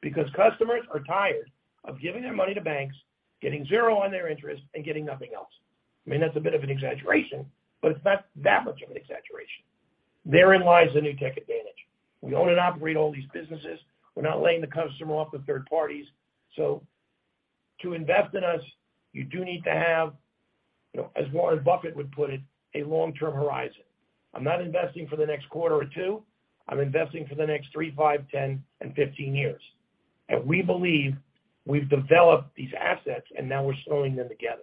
because customers are tired of giving their money to banks, getting zero on their interest, and getting nothing else. I mean, that's a bit of an exaggeration, but it's not that much of an exaggeration. Therein lies the Newtek Advantage. We own and operate all these businesses. We're not laying the customer off to third parties. To invest in us, you do need to have, you know, as Warren Buffett would put it, a long-term horizon. I'm not investing for the next quarter or two. I'm investing for the next three, five, 10, and 15 years. We believe we've developed these assets, and now we're sewing them together.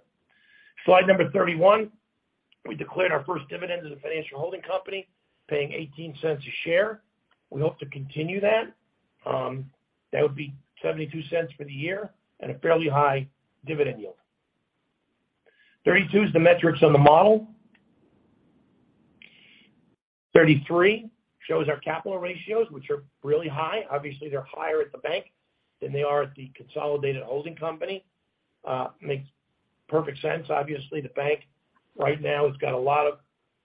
Slide number 31. We declared our first dividend as a financial holding company, paying $0.18 a share. We hope to continue that. That would be $0.72 for the year at a fairly high dividend yield. 32 is the metrics on the model. 33 shows our capital ratios, which are really high. Obviously, they're higher at the bank than they are at the consolidated holding company. Makes perfect sense. Obviously, the Bank right now has got a lot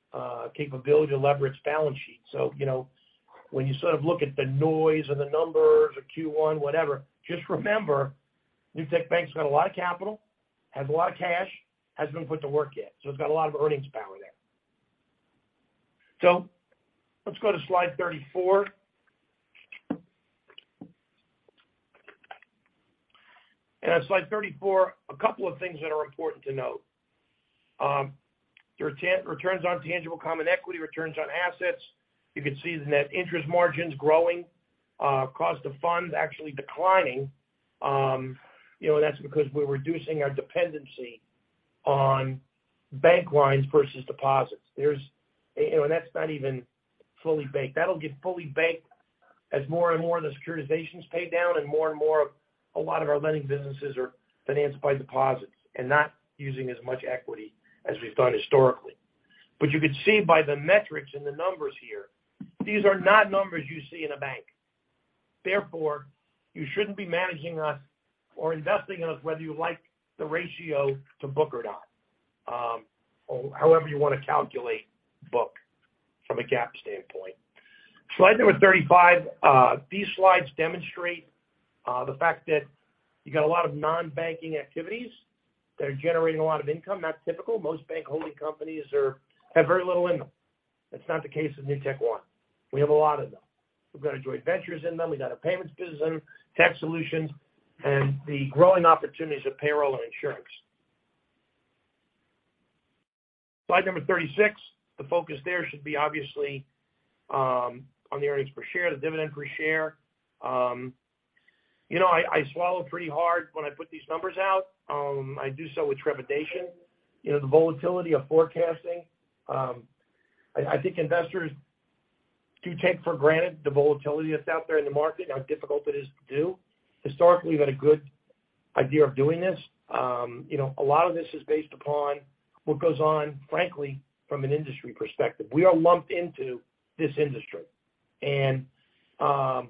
of capability to leverage balance sheets. You know, when you sort of look at the noise or the numbers or Q1, whatever, just remember, Newtek Bank's got a lot of capital, has a lot of cash, hasn't been put to work yet, so it's got a lot of earnings power there. Let's go to slide 34. At slide 34, a couple of things that are important to note. Returns on tangible common equity, returns on assets. You can see the net interest margins growing. Cost of funds actually declining. You know, that's because we're reducing our dependency on bank lines versus deposits. You know, that's not even fully banked. That'll get fully banked as more and more of the securitizations pay down and more and more of a lot of our lending businesses are financed by deposits and not using as much equity as we've done historically. You could see by the metrics and the numbers here, these are not numbers you see in a bank. Therefore, you shouldn't be managing us or investing in us whether you like the ratio to book or not, or however you wanna calculate book from a GAAP standpoint. Slide number 35. These slides demonstrate the fact that you got a lot of non-banking activities that are generating a lot of income. Not typical. Most bank holding companies have very little in them. That's not the case with NewtekOne. We have a lot in them. We've got our joint ventures in them. We got our payments business in them, tax solutions, and the growing opportunities of payroll and insurance. Slide number 36. The focus there should be obviously, on the earnings per share, the dividend per share. You know, I swallow pretty hard when I put these numbers out. I do so with trepidation. You know, the volatility of forecasting. I think investors do take for granted the volatility that's out there in the market, how difficult it is to do. Historically, we've had a good idea of doing this. You know, a lot of this is based upon what goes on, frankly, from an industry perspective. We are lumped into this industry. You know,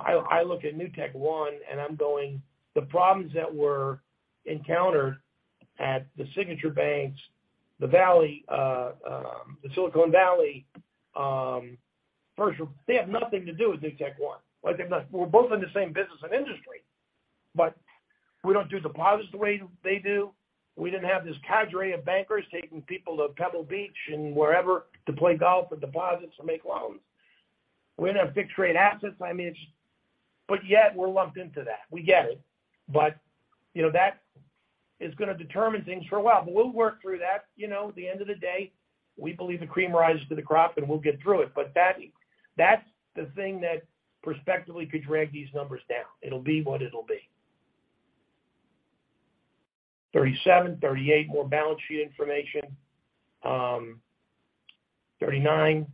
I look at NewtekOne, and I'm going, the problems that were encountered at the Signature Bank, the Valley, the Silicon Valley, they have nothing to do with NewtekOne. Like we're both in the same business and industry, but we don't do deposits the way they do. We didn't have this cadre of bankers taking people to Pebble Beach and wherever to play golf with deposits to make loans. We didn't have big trade assets. I mean, yet we're lumped into that. We get it. You know, that is gonna determine things for a while. We'll work through that. You know, at the end of the day, we believe the cream rises to the crop, and we'll get through it. That, that's the thing that perspectively could drag these numbers down. It'll be what it'll be. 37, 38, more balance sheet information. 39,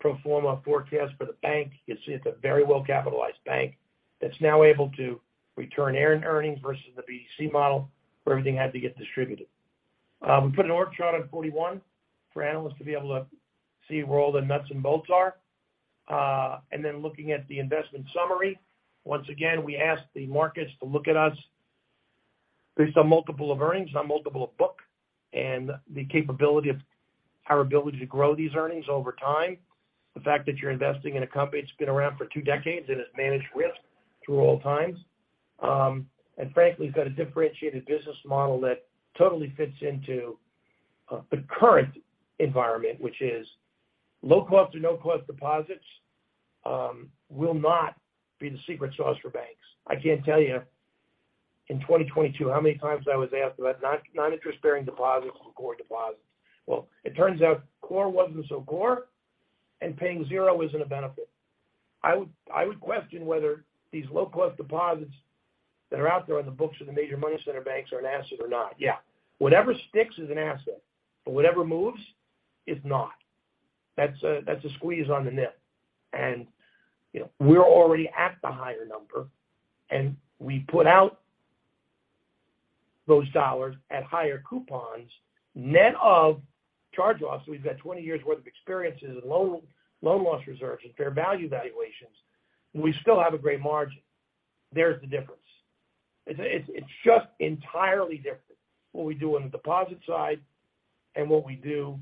pro forma forecast for the bank. You can see it's a very well-capitalized bank that's now able to return earnings versus the BDC model, where everything had to get distributed. We put an org chart on 41 for analysts to be able to see where all the nuts and bolts are. Looking at the investment summary. Once again, we ask the markets to look at us. There's some multiple of earnings, some multiple of book, and the capability of our ability to grow these earnings over time. The fact that you're investing in a company that's been around for two decades and has managed risk through all times. Frankly, has got a differentiated business model that totally fits into the current environment, which is low-cost or no-cost deposits, will not be the secret sauce for banks. I can't tell you in 2022 how many times I was asked about non-interest-bearing deposits and core deposits. Well, it turns out core wasn't so core, and paying zero isn't a benefit. I would question whether these low-cost deposits that are out there on the books of the major money center banks are an asset or not. Yeah, whatever sticks is an asset, but whatever moves is not. That's a squeeze on the NIM. You know, we're already at the higher number, and we put out those dollars at higher coupons net of charge-offs. We've got 20 years' worth of experiences in loan loss reserves and fair value valuations, and we still have a great margin. There's the difference. It's just entirely different what we do on the deposit side and what we do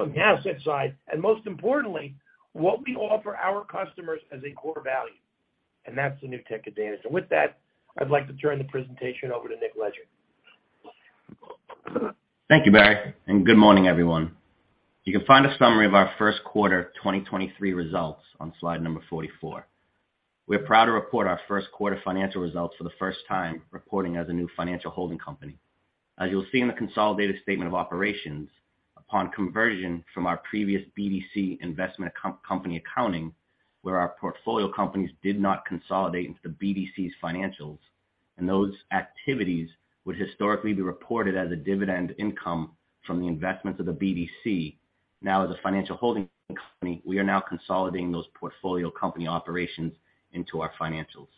on the asset side, and most importantly, what we offer our customers as a core value. That's the Newtek Advantage. With that, I'd like to turn the presentation over to Nicholas Leger. Thank you, Barry. Good morning, everyone. You can find a summary of our first quarter 2023 results on slide number 44. We're proud to report our first quarter financial results for the first time reporting as a new financial holding company. As you'll see in the consolidated statement of operations, upon conversion from our previous BDC investment company accounting, where our portfolio companies did not consolidate into the BDC's financials and those activities would historically be reported as a dividend income from the investments of the BDC. As a financial holding company, we are now consolidating those portfolio company operations into our financials.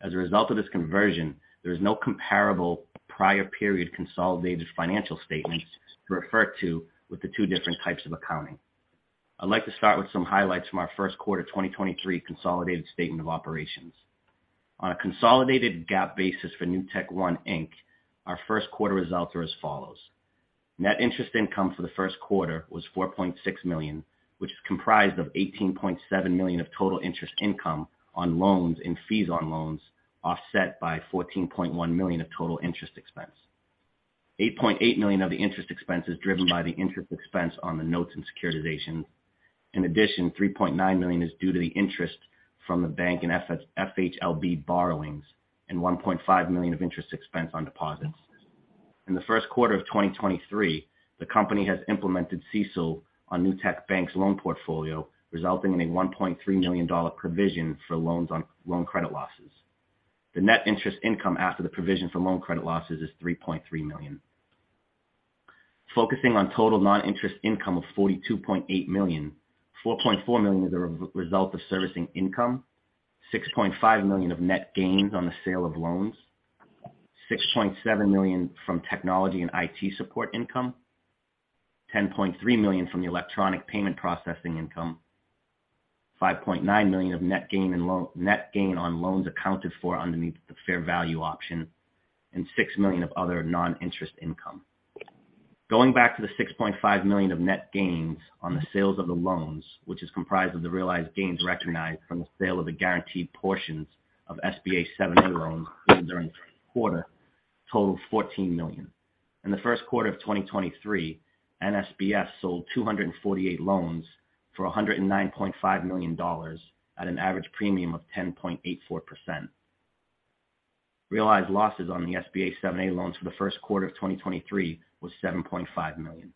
As a result of this conversion, there is no comparable prior period consolidated financial statements to refer to with the two different types of accounting. I'd like to start with some highlights from our first quarter 2023 consolidated statement of operations. On a consolidated GAAP basis for NewtekOne, Inc., our first quarter results are as follows: Net interest income for the first quarter was $4.6 million, which is comprised of $18.7 million of total interest income on loans and fees on loans, offset by $14.1 million of total interest expense. $8.8 million of the interest expense is driven by the interest expense on the notes and securitizations. $3.9 million is due to the interest from the bank and FHLB borrowings and $1.5 million of interest expense on deposits. In the first quarter of 2023, the company has implemented CECL on Newtek Bank's loan portfolio, resulting in a $1.3 million provision for loans on loan credit losses. The net interest income after the provision for loan credit losses is $3.3 million. Focusing on total non-interest income of $42.8 million, $4.4 million is a re-result of servicing income, $6.5 million of net gains on the sale of loans, $6.7 million from technology and IT support income, $10.3 million from the electronic payment processing income, $5.9 million of net gain on loans accounted for underneath the fair value option, and $6 million of other non-interest income. Going back to the $6.5 million of net gains on the sales of the loans, which is comprised of the realized gains recognized from the sale of the guaranteed portions of SBA 7(a) loans during the quarter, total of $14 million. In the first quarter of 2023, NSBF sold 248 loans for $109.5 million at an average premium of 10.84%. Realized losses on the SBA 7(a) loans for the first quarter of 2023 was $7.5 million.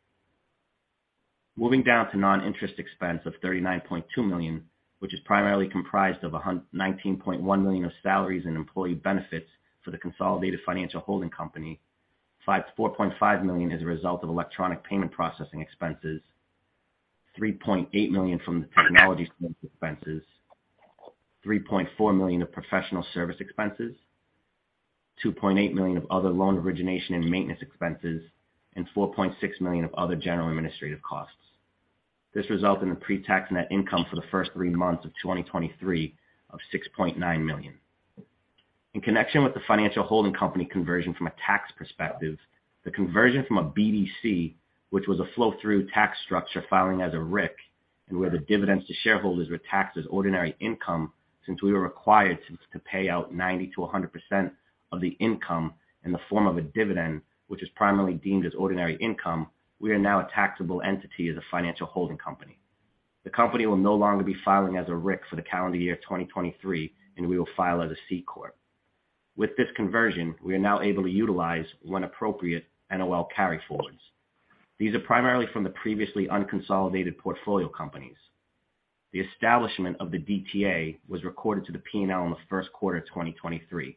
Moving down to non-interest expense of $39.2 million, which is primarily comprised of $19.1 million of salaries and employee benefits for the consolidated financial holding company. $4.5 million is a result of electronic payment processing expenses, $3.8 million from the technology expenses, $3.4 million of professional service expenses, $2.8 million of other loan origination and maintenance expenses, and $4.6 million of other general administrative costs. This results in a pre-tax net income for the first three months of 2023 of $6.9 million. In connection with the financial holding company conversion from a tax perspective, the conversion from a BDC, which was a flow-through tax structure filing as a RIC, where the dividends to shareholders were taxed as ordinary income, since we were required to pay out 90% to 100% of the income in the form of a dividend, which is primarily deemed as ordinary income, we are now a taxable entity as a financial holding company. The company will no longer be filing as a RIC for the calendar year of 2023. We will file as a C Corp. With this conversion, we are now able to utilize, when appropriate, NOL carryforwards. These are primarily from the previously unconsolidated portfolio companies. The establishment of the DTA was recorded to the P&L in the first quarter of 2023.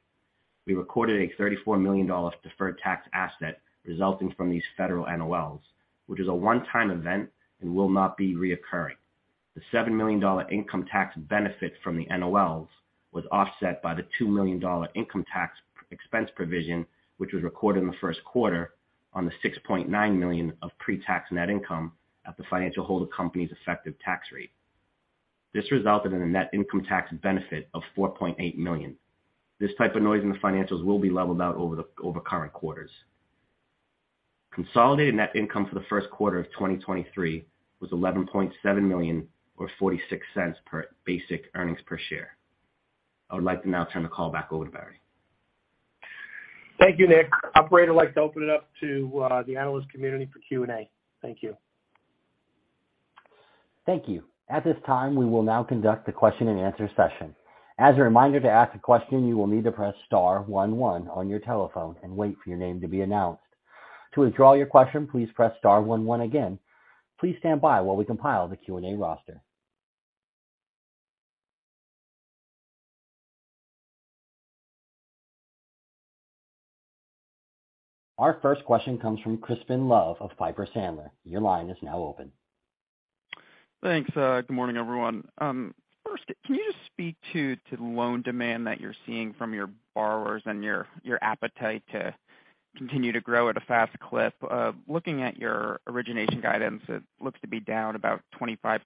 We recorded a $34 million deferred tax asset resulting from these federal NOLs, which is a one-time event and will not be recurring. The $7 million income tax benefit from the NOLs was offset by the $2 million income tax expense provision, which was recorded in the first quarter on the $6.9 million of pre-tax net income at the financial holding company's effective tax rate. This resulted in a net income tax benefit of $4.8 million. This type of noise in the financials will be leveled out over the current quarters. Consolidated net income for the first quarter of 2023 was $11.7 million or $0.46 per basic earnings per share. I would like to now turn the call back over to Barry. Thank you, Nick. Operator, I'd like to open it up to the analyst community for Q&A. Thank you. Thank you. At this time, we will now conduct the question-and-answer session. As a reminder, to ask a question, you will need to press star one one on your telephone and wait for your name to be announced. To withdraw your question, please press star one one again. Please stand by while we compile the Q&A roster. Our first question comes from Crispin Love of Piper Sandler. Your line is now open. Thanks. Good morning, everyone. First, can you just speak to loan demand that you're seeing from your borrowers and your appetite to continue to grow at a fast clip? Looking at your origination guidance, it looks to be down about 25%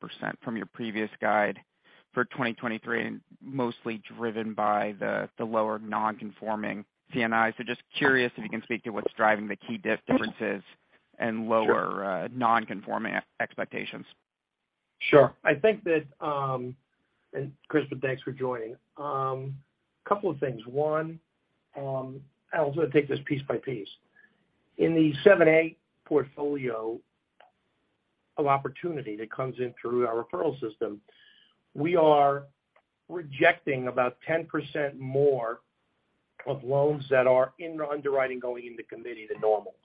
from your previous guide for 2023, mostly driven by the lower non-conforming C&I. Just curious if you can speak to what's driving the key differences and lower- Sure non-conforming expectations. Sure. I think that. Crispin, thanks for joining. Couple of things. One, I'll sort of take this piece by piece. In the seven/eight portfolio of opportunity that comes in through our referral system, we are rejecting about 10% more of loans that are in underwriting going into committee than normal.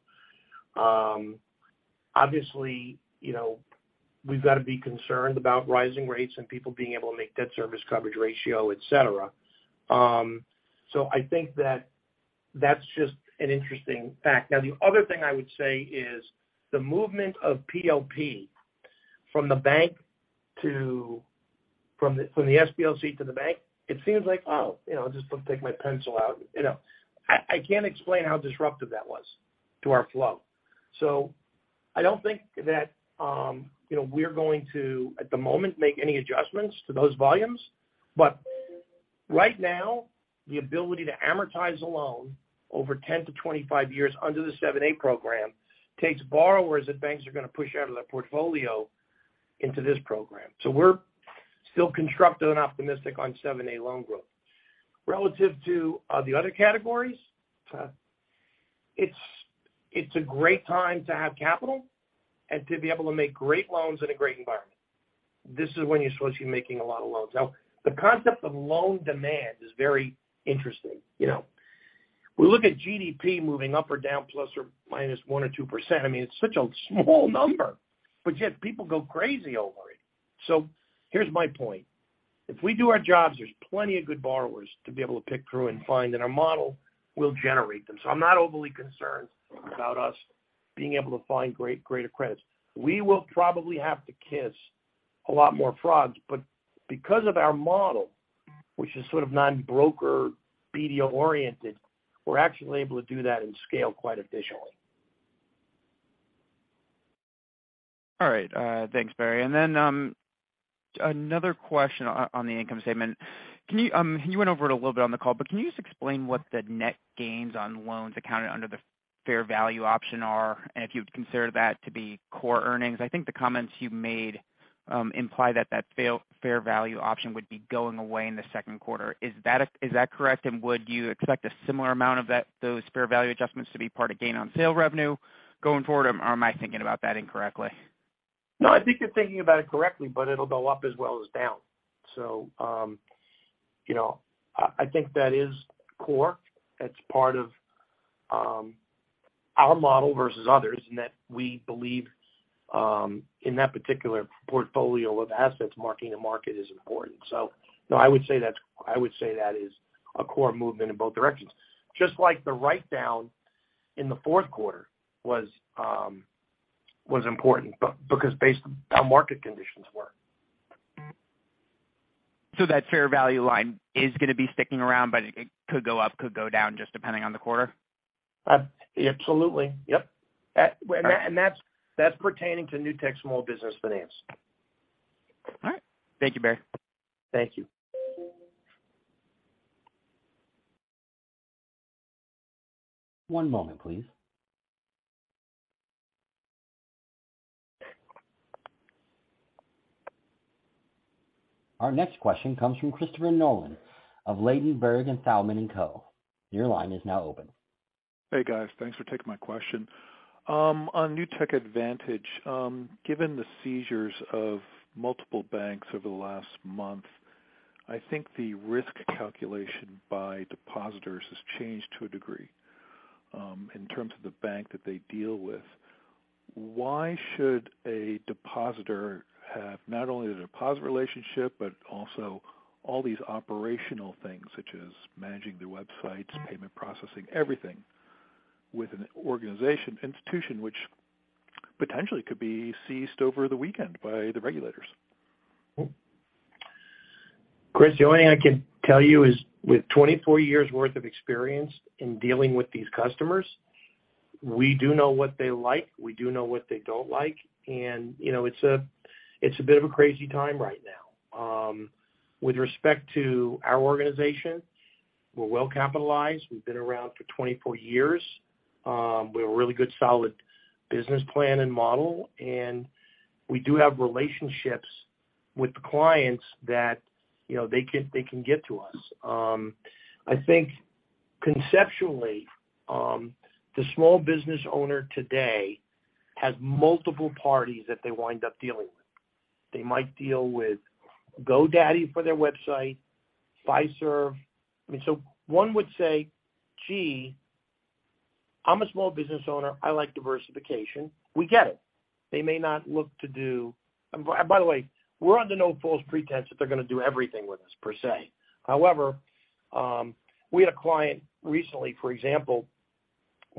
Obviously, you know, we've gotta be concerned about rising rates and people being able to make debt service coverage ratio, et cetera. I think that that's just an interesting fact. Now, the other thing I would say is the movement of PLP from the SBLC to the bank, it seems like, oh, you know, I'll just take my pencil out. You know, I can't explain how disruptive that was to our flow. I don't think that, you know, we're going to, at the moment, make any adjustments to those volumes. Right now, the ability to amortize a loan over 10 to 25 years under the 7(a) program takes borrowers that banks are going to push out of their portfolio into this program. We're still constructive and optimistic on 7(a) loan growth. Relative to the other categories, it's a great time to have capital and to be able to make great loans in a great environment. This is when you're supposed to be making a lot of loans. The concept of loan demand is very interesting. You know, we look at GDP moving up or down ±1% or 2%. I mean, it's such a small number, but yet people go crazy over it. Here's my point: If we do our jobs, there's plenty of good borrowers to be able to pick through and find, and our model will generate them. I'm not overly concerned about us being able to find greater credits. We will probably have to kiss a lot more frogs, but because of our model, which is sort of non-broker BDO-oriented, we're actually able to do that and scale quite efficiently. All right. Thanks, Barry. Another question on the income statement. Can you went over it a little bit on the call, but can you just explain what the net gains on loans accounted under the fair value option are, and if you would consider that to be core earnings? I think the comments you made, imply that that fair value option would be going away in the second quarter. Is that correct? Would you expect a similar amount of that, those fair value adjustments to be part of gain on sale revenue going forward, or am I thinking about that incorrectly? No, I think you're thinking about it correctly, but it'll go up as well as down. You know, I think that is core. That's part of our model versus others, in that we believe, in that particular portfolio of assets, marking the market is important. No, I would say that's, I would say that is a core movement in both directions. Just like the write down in the fourth quarter was important, because based on how market conditions were. that fair value line is gonna be sticking around, but it could go up, could go down, just depending on the quarter? Absolutely. Yep. That's pertaining to Newtek's small business finance. All right. Thank you, Barry. Thank you. One moment, please. Our next question comes from Christopher Nolan of Ladenburg Thalmann & Co. Your line is now open. Hey, guys. Thanks for taking my question. On Newtek Advantage, given the seizures of multiple banks over the last month, I think the risk calculation by depositors has changed to a degree, in terms of the bank that they deal with. Why should a depositor have not only the deposit relationship, but also all these operational things such as managing their websites, payment processing, everything, with an organization institution which potentially could be seized over the weekend by the regulators? Chris, the only thing I can tell you is with 24 years' worth of experience in dealing with these customers, we do know what they like. We do know what they don't like. You know, it's a, it's a bit of a crazy time right now. With respect to our organization, we're well capitalized. We've been around for 24 years. We have a really good solid business plan and model, and we do have relationships with the clients that, you know, they can, they can get to us. I think conceptually, the small business owner today has multiple parties that they wind up dealing with. They might deal with GoDaddy for their website, Fiserv. I mean, one would say, "Gee, I'm a small business owner. I like diversification." We get it. They may not look to do... By the way, we're under no false pretense that they're gonna do everything with us, per se. However, we had a client recently, for example,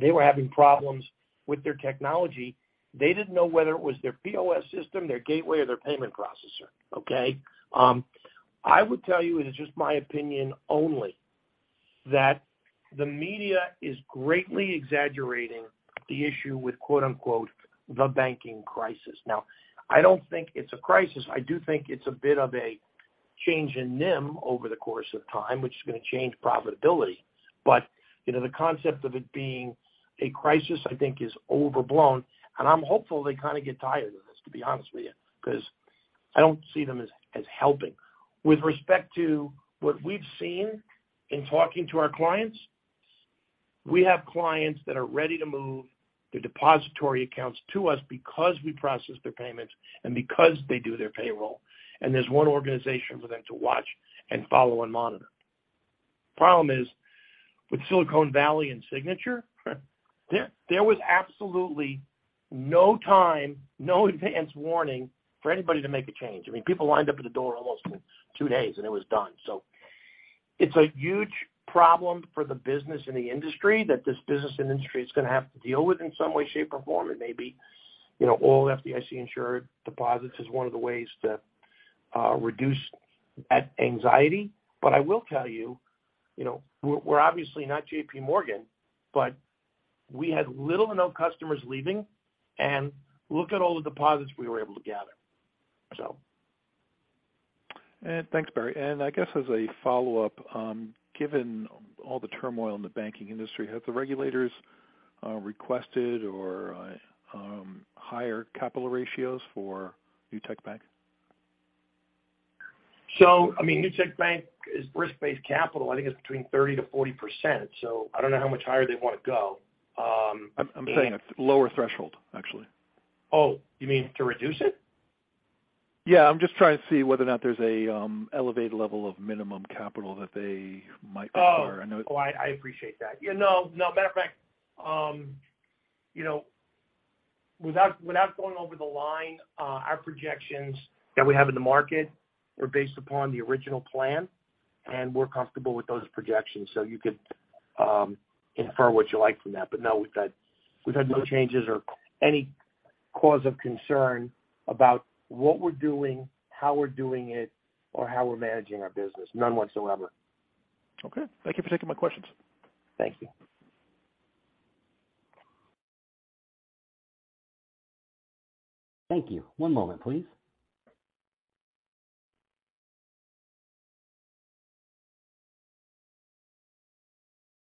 they were having problems with their technology. They didn't know whether it was their POS system, their gateway, or their payment processor, okay? I would tell you, and it's just my opinion only, that the media is greatly exaggerating the issue with quote-unquote, the banking crisis. Now, I don't think it's a crisis. I do think it's a bit of a change in NIM over the course of time, which is gonna change profitability. You know, the concept of it being a crisis, I think, is overblown. I'm hopeful they kinda get tired of this, to be honest with you, 'cause I don't see them as helping. With respect to what we've seen in talking to our clients, we have clients that are ready to move their depository accounts to us because we process their payments and because they do their payroll. There's one organization for them to watch and follow and monitor. The problem is with Silicon Valley and Signature, there was absolutely no time, no advance warning for anybody to make a change. I mean, people lined up at the door almost two days, and it was done. It's a huge problem for the business and the industry that this business industry is gonna have to deal with in some way, shape, or form. It may be, you know, all FDIC-insured deposits is one of the ways to reduce that anxiety. I will tell you know, we're obviously not JP Morgan, but we had little to no customers leaving, and look at all the deposits we were able to gather, so. thanks, Barry. I guess as a follow-up, given all the turmoil in the banking industry, have the regulators requested or higher capital ratios for Newtek Bank? I mean, Newtek Bank is risk-based capital. I think it's between 30%-40%. I don't know how much higher they wanna go. I'm saying a lower threshold, actually. Oh, you mean to reduce it? Yeah. I'm just trying to see whether or not there's a, elevated level of minimum capital that they might require. I know. Oh. Oh, I appreciate that. Yeah, no, matter of fact, you know, without going over the line, our projections that we have in the market are based upon the original plan, and we're comfortable with those projections. You could infer what you like from that. No, we've had no changes or any cause of concern about what we're doing, how we're doing it, or how we're managing our business. None whatsoever. Okay. Thank you for taking my questions. Thank you. Thank you. One moment, please.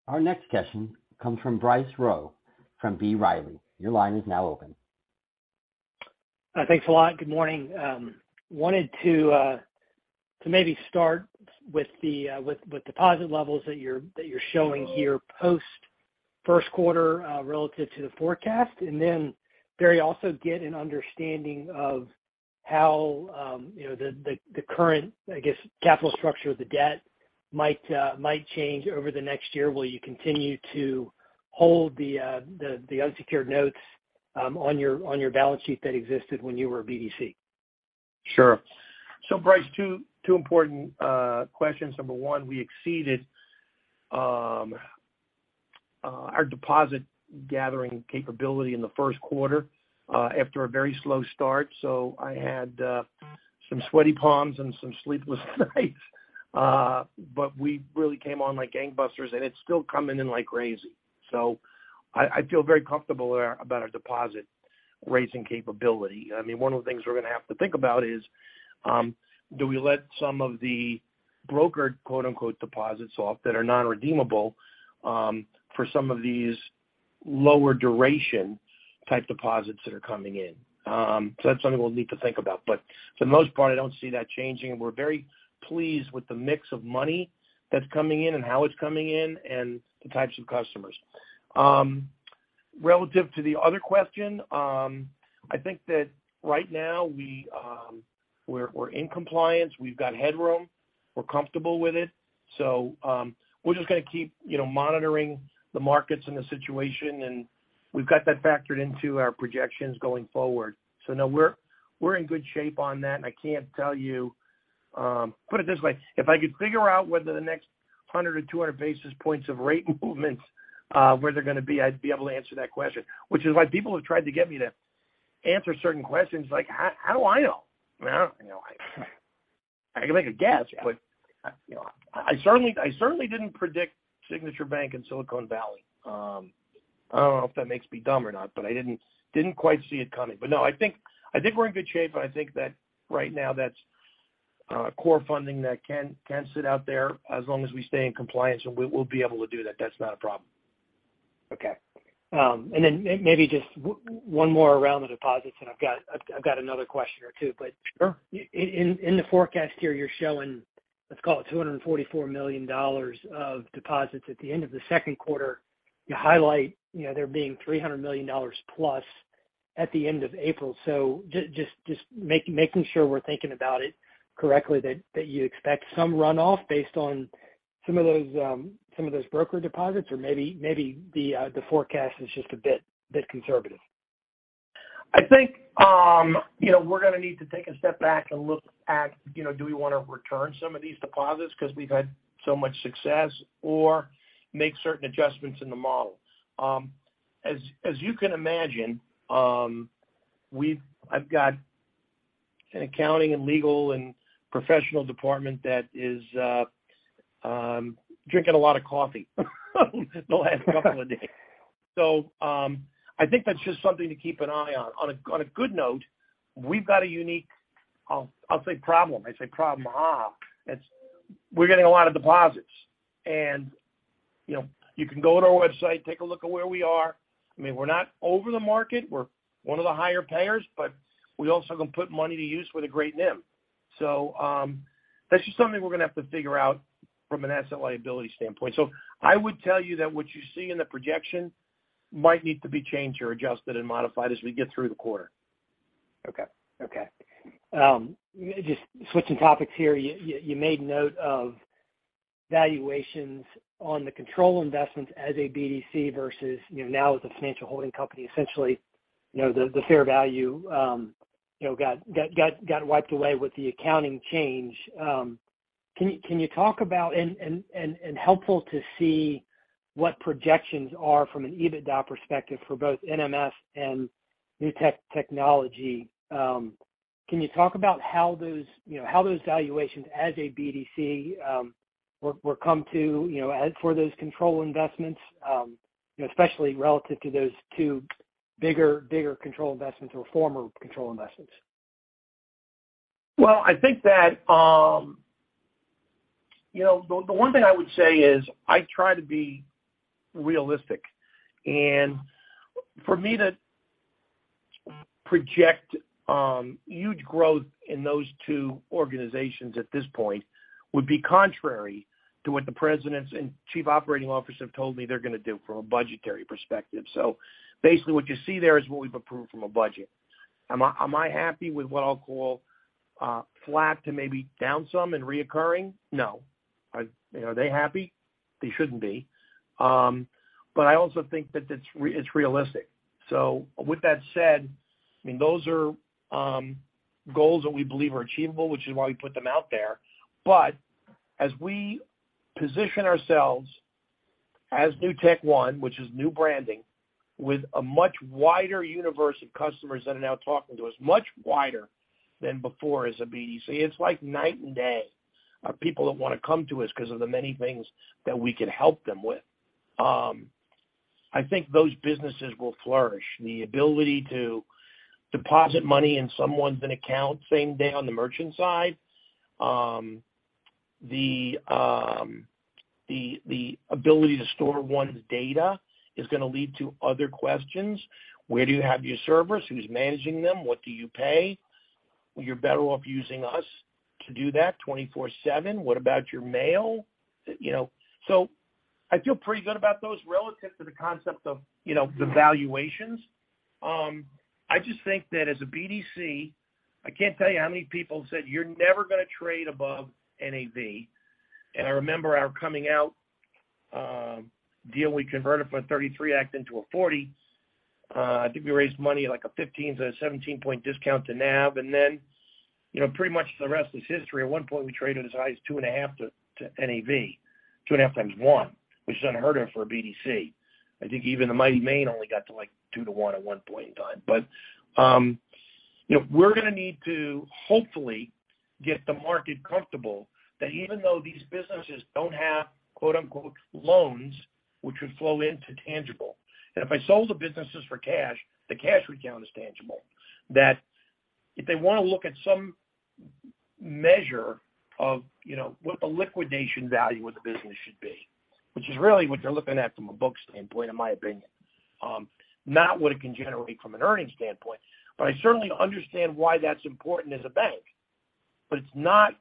Our next question comes from Bryce Rowe from B. Riley. Your line is now open. Thanks a lot. Good morning. Wanted to maybe start with the deposit levels that you're showing here post first quarter relative to the forecast. Barry, also get an understanding of how, you know, the current, I guess, capital structure of the debt might change over the next year. Will you continue to hold the unsecured notes on your balance sheet that existed when you were a BDC? Sure. Bryce, two important questions. Number one, we exceeded our deposit gathering capability in the first quarter after a very slow start. I had some sweaty palms and some sleepless nights. We really came on like gangbusters, and it's still coming in like crazy. I feel very comfortable about our deposit-raising capability. I mean, one of the things we're gonna have to think about is, do we let some of the brokered, quote-unquote, deposits off that are non-redeemable for some of these lower duration type deposits that are coming in? That's something we'll need to think about. For the most part, I don't see that changing. We're very pleased with the mix of money that's coming in and how it's coming in and the types of customers. Relative to the other question, I think that right now we're in compliance. We've got headroom. We're comfortable with it. We're just gonna keep, you know, monitoring the markets and the situation, and we've got that factored into our projections going forward. No, we're in good shape on that. I can't tell you put it this way. If I could figure out whether the next 100 or 200 basis points of rate movements, where they're gonna be I'd be able to answer that question, which is why people have tried to get me there. Answer certain questions like, how do I know? You know, I can make a guess, but, you know. I certainly didn't predict Signature Bank in Silicon Valley. I don't know if that makes me dumb or not, but I didn't quite see it coming. No, I think, I think we're in good shape. I think that right now that's core funding that can sit out there as long as we stay in compliance and we'll be able to do that. That's not a problem. Okay. Then maybe just one more around the deposits, and I've got another question or two. Sure. In the forecast here you're showing, let's call it $244 million of deposits at the end of the second quarter. You highlight, you know, there being $300 million plus at the end of April. Just making sure we're thinking about it correctly that you expect some runoff based on some of those broker deposits or maybe the forecast is just a bit conservative. I think, you know, we're gonna need to take a step back and look at, you know, do we wanna return some of these deposits because we've had so much success or make certain adjustments in the model. As, as you can imagine, I've got an accounting and legal and professional department that is drinking a lot of coffee the last couple of days. I think that's just something to keep an eye on. On a good note, we've got a unique, I'll say problem. I say problem. It's we're getting a lot of deposits. You know, you can go to our website, take a look at where we are. I mean, we're not over the market. We're one of the higher payers, but we also can put money to use with a great NIM. That's just something we're gonna have to figure out from an asset liability standpoint. I would tell you that what you see in the projection might need to be changed or adjusted and modified as we get through the quarter. Okay. Okay. Just switching topics here. You made note of valuations on the control investments as a BDC versus, you know, now as a financial holding company. Essentially, you know, the fair value, you know, got wiped away with the accounting change. Helpful to see what projections are from an EBITDA perspective for both NMS and Newtek Technology. Can you talk about how those valuations as a BDC were come to, you know, as for those control investments, you know, especially relative to those two bigger control investments or former control investments? Well, I think that, you know, the one thing I would say is I try to be realistic. For me to project, huge growth in those two organizations at this point would be contrary to what the presidents and chief operating officers have told me they're gonna do from a budgetary perspective. Basically, what you see there is what we've approved from a budget. Am I happy with what I'll call, flat to maybe down some in recurring? No. Are, you know, are they happy? They shouldn't be. I also think that it's realistic. With that said, I mean, those are goals that we believe are achievable, which is why we put them out there. As we position ourselves as NewtekOne, which is new branding, with a much wider universe of customers that are now talking to us, much wider than before as a BDC, it's like night and day of people that wanna come to us because of the many things that we can help them with. I think those businesses will flourish. The ability to deposit money in someone's account same day on the merchant side. The ability to store one's data is gonna lead to other questions. Where do you have your servers? Who's managing them? What do you pay? Well, you're better off using us to do that 24/7. What about your mail? You know. I feel pretty good about those relative to the concept of, you know, the valuations. I just think that as a BDC, I can't tell you how many people have said, "You're never gonna trade above NAV." I remember our coming out deal. We converted from a 1933 Act into a 1940 Act. I think we raised money at like a 15-17-point discount to NAV. Then, you know, pretty much the rest is history. At one point, we traded as high as 2.5 to NAV. 2.5 x1, which is unheard of for a BDC. I think even the Main Street Capital only got to, like, two to one at one point in time. You know, we're gonna need to hopefully get the market comfortable that even though these businesses don't have quote-unquote "loans," which would flow into tangible. If I sold the businesses for cash, the cash would count as tangible. That if they wanna look at some measure of, you know, what the liquidation value of the business should be, which is really what they're looking at from a book standpoint, in my opinion, not what it can generate from an earnings standpoint. I certainly understand why that's important as a bank, but it's not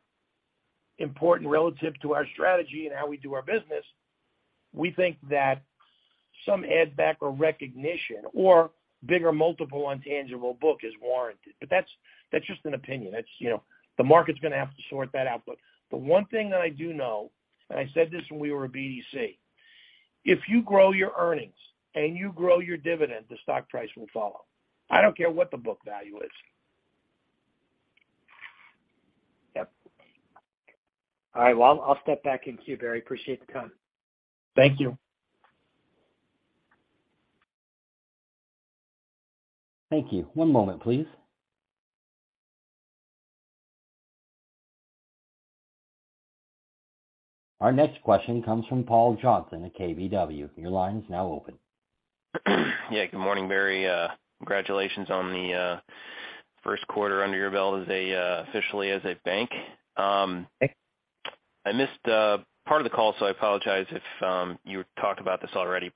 important relative to our strategy and how we do our business. We think that some add back or recognition or bigger multiple on tangible book is warranted. That's just an opinion. That's, you know. The market's gonna have to sort that out. The one thing that I do know, and I said this when we were a BDC. If you grow your earnings and you grow your dividend, the stock price will follow. I don't care what the book value is. Yep. All right. Well, I'll step back in queue, Barry. Appreciate the time. Thank you. Thank you. One moment, please. Our next question comes from Paul Johnson at KBW. Your line is now open. Yeah. Good morning, Barry. congratulations on the first quarter under your belt as a officially as a bank. Thanks. I missed part of the call, so I apologize if you talked about this already.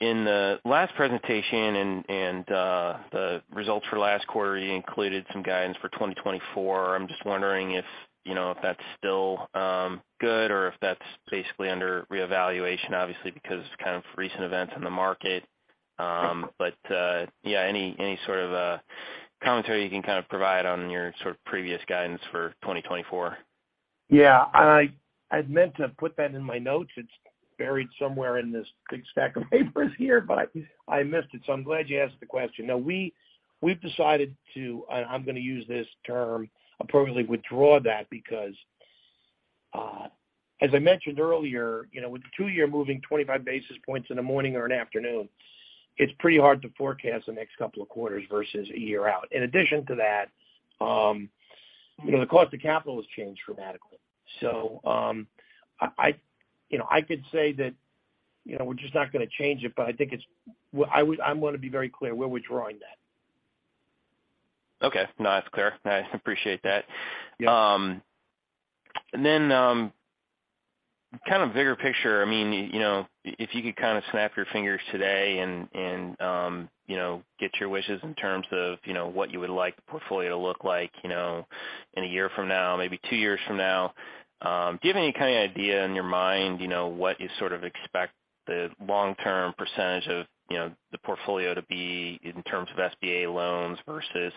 In the last presentation and the results for last quarter, you included some guidance for 2024. I'm just wondering if, you know, if that's still good or if that's basically under reevaluation, obviously, because kind of recent events in the market. Yeah, any sort of commentary you can kind of provide on your sort of previous guidance for 2024? Yeah. I'd meant to put that in my notes. It's buried somewhere in this big stack of papers here, but I missed it. I'm glad you asked the question. Now, we've decided to and I'm gonna use this term appropriately, withdraw that because, as I mentioned earlier, you know, with the two-year moving 25 basis points in the morning or an afternoon, it's pretty hard to forecast the next couple of quarters versus a year out. In addition to that, you know, the cost of capital has changed dramatically. I, you know, I could say that, you know, we're just not gonna change it, but I think it's. I'm gonna be very clear. We're withdrawing that. Okay. No, that's clear. I appreciate that. Yeah. Then, kind of bigger picture, I mean, you know, if you could kind of snap your fingers today and, you know, get your wishes in terms of, you know, what you would like the portfolio to look like, you know, in one year from now, maybe two years from now, do you have any kind of idea in your mind, you know, what you sort of expect the long-term percentage of, you know, the portfolio to be in terms of SBA loans versus,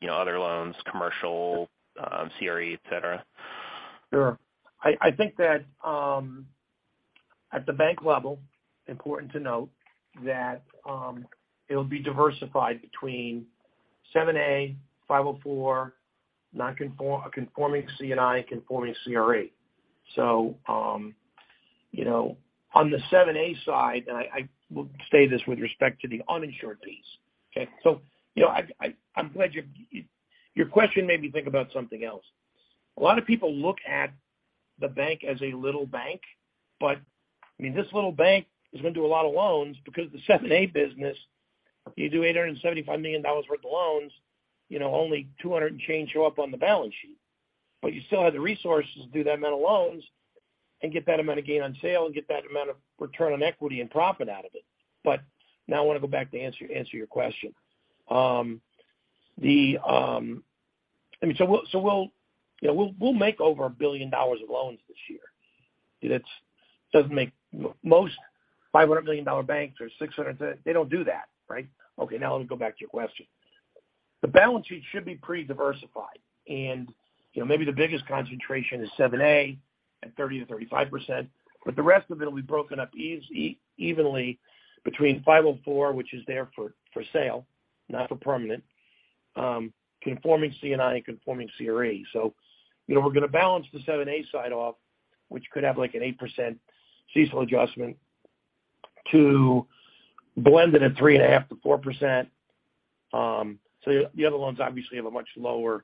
you know, other loans, commercial, CRE, et cetera? Sure. I think that, at the bank level, important to note that, it'll be diversified between 7(a), 504, non-conforming C&I and conforming CRE. you know, on the 7(a) side, and I will say this with respect to the uninsured piece. Okay. you know, I'm glad your question made me think about something else. A lot of people look at the bank as a little bank, but I mean, this little bank is gonna do a lot of loans because the 7(a) business, you do $875 million worth of loans, you know, only 200 and change show up on the balance sheet. You still have the resources to do that amount of loans and get that amount of gain on sale and get that amount of return on equity and profit out of it. Now I wanna go back to answer your question. So we'll make over $1 billion of loans this year. Doesn't make. Most $500 million banks or $600 million, they don't do that, right? Okay. Now let me go back to your question. The balance sheet should be pretty diversified. Maybe the biggest concentration is 7(a) at 30%-35%, but the rest of it'll be broken up evenly between 504, which is there for sale, not for permanent, conforming C&I and conforming CRE you know, we're gonna balance the 7(a) side off, which could have, like, an 8% CECL adjustment to blend it at 3.5%-4%. The other loans obviously have a much lower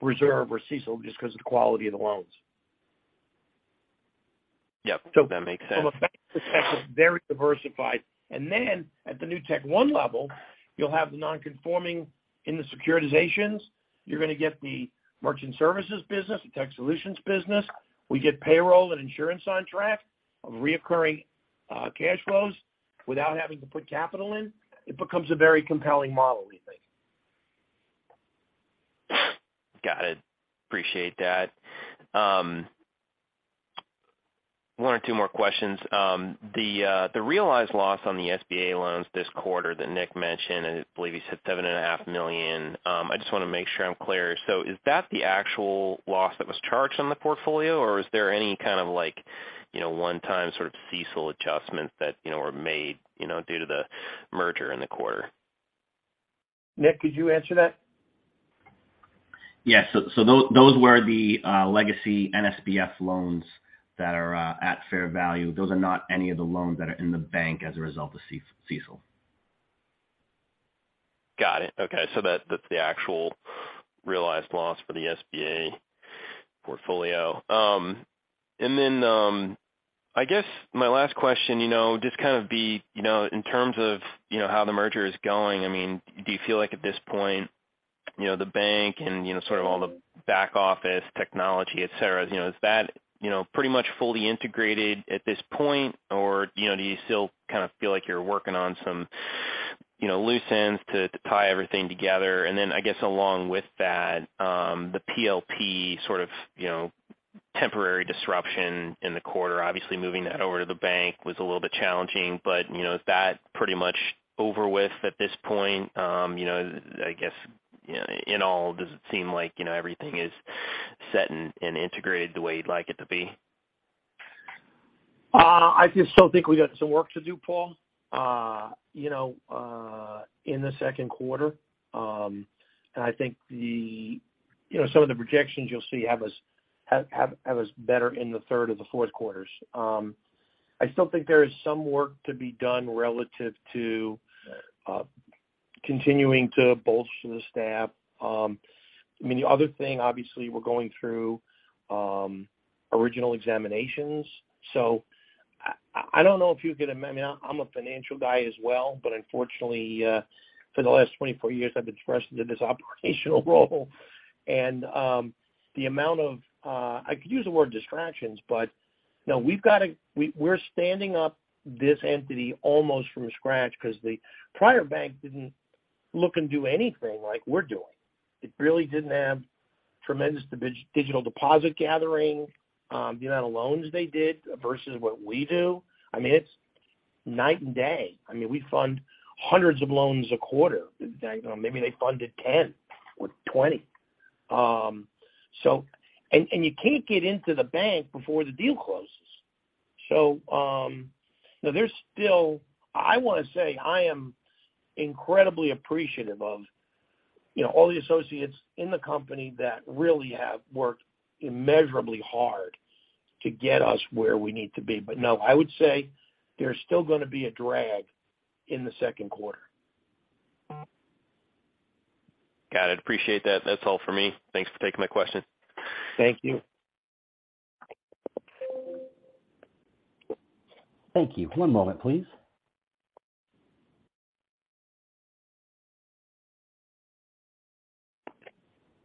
reserve or CECL just because of the quality of the loans. Yep. That makes sense. From a bank perspective, very diversified. Then at the NewtekOne level, you'll have the non-conforming in the securitizations. You're gonna get the merchant services business, the tech solutions business. We get payroll and insurance on track of recurring cash flows without having to put capital in. It becomes a very compelling model, we think. Got it. Appreciate that. One or two more questions. The realized loss on the SBA loans this quarter that Nick mentioned, I believe you said $7.5 million. I just wanna make sure I'm clear. Is that the actual loss that was charged on the portfolio, or is there any kind of like, you know, one-time sort of CECL adjustments that, you know, were made, you know, due to the merger in the quarter? Nick, could you answer that? Yeah. Those were the legacy NSBF loans that are at fair value. Those are not any of the loans that are in the Bank as a result of CECL. Got it. Okay. That's the actual realized loss for the SBA portfolio. Then I guess my last question, you know, just kind of the, you know, in terms of, you know, how the merger is going, I mean, do you feel like at this point, you know, the bank and, you know, sort of all the back office technology, et cetera, you know, is that, you know, pretty much fully integrated at this point? Or, you know, do you still kind of feel like you're working on some, you know, loose ends to tie everything together? Then I guess along with that, the PLP sort of, you know, temporary disruption in the quarter. Obviously, moving that over to the bank was a little bit challenging. Is that pretty much over with at this point? You know, I guess in all, does it seem like, you know, everything is set and integrated the way you'd like it to be? I just still think we got some work to do, Paul, you know, in the second quarter. I think the, you know, some of the projections you'll see have us better in the third or the fourth quarters. I still think there is some work to be done relative to continuing to bolster the staff. I mean, the other thing, obviously we're going through original examinations. I mean, I'm a financial guy as well, but unfortunately, for the last 24 years, I've been thrust into this operational role. The amount of I could use the word distractions, but no, we're standing up this entity almost from scratch because the prior bank didn't look and do anything like we're doing. It really didn't have tremendous digital deposit gathering. The amount of loans they did versus what we do. I mean, it's night and day. I mean, we fund hundreds of loans a quarter. Maybe they funded 10 or 20. And you can't get into the bank before the deal closes. Now there's still. I wanna say, I am incredibly appreciative of, you know, all the associates in the company that really have worked immeasurably hard to get us where we need to be. No, I would say there's still gonna be a drag in the second quarter. Got it. Appreciate that. That's all for me. Thanks for taking my question. Thank you. Thank you. One moment, please.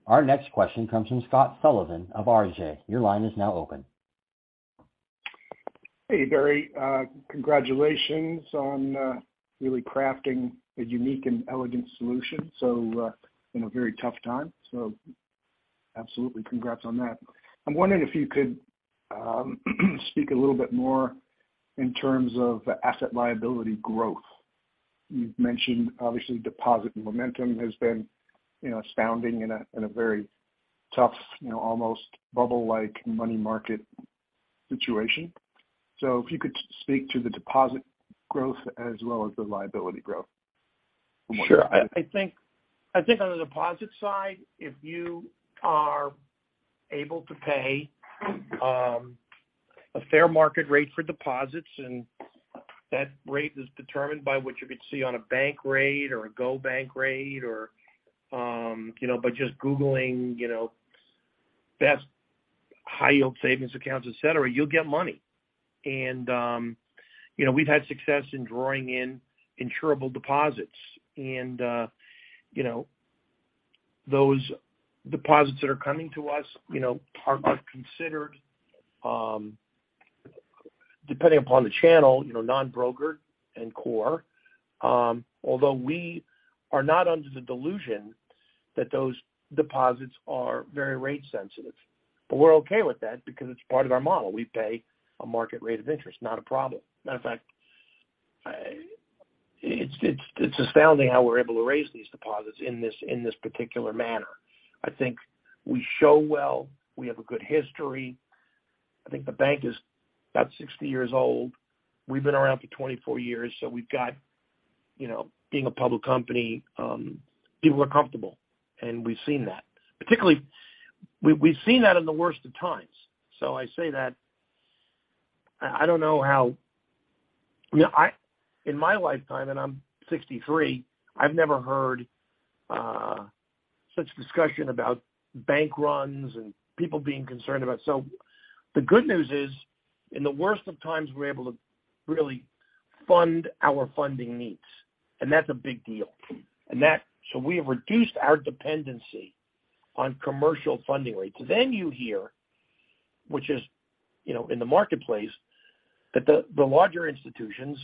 Our next question comes from Scott Sloane of RL. Your line is now open. Hey, Barry Sloane. Congratulations on really crafting a unique and elegant solution, so, in a very tough time. Absolutely congrats on that. I'm wondering if you could speak a little bit more in terms of asset liability growth. You've mentioned obviously deposit momentum has been, you know, astounding in a, in a very tough, you know, almost bubble-like money market situation. If you could speak to the deposit growth as well as the liability growth. Sure. I think on the deposit side, if you are able to pay a fair market rate for deposits, and that rate is determined by what you could see on a bank rate or a GOBankingRates rate or, you know, by just googling, you know, best high-yield savings accounts, et cetera, you'll get money. You know, we've had success in drawing in insurable deposits. You know, those deposits that are coming to us, you know, are considered, depending upon the channel, you know, non-brokered and core. Although we are not under the delusion that those deposits are very rate sensitive. We're okay with that because it's part of our model. We pay a market rate of interest, not a problem. Matter of fact, it's astounding how we're able to raise these deposits in this particular manner. I think we show well. We have a good history. I think the bank is about 60 years old. We've been around for 24 years, so we've got, you know, being a public company, people are comfortable, and we've seen that. Particularly, we've seen that in the worst of times. I say that, I don't know how. You know, in my lifetime, and I'm 63, I've never heard such discussion about bank runs and people being concerned about. The good news is, in the worst of times, we're able to really fund our funding needs, and that's a big deal. That. We have reduced our dependency on commercial funding rates. You hear, which is, you know, in the marketplace, that the larger institutions,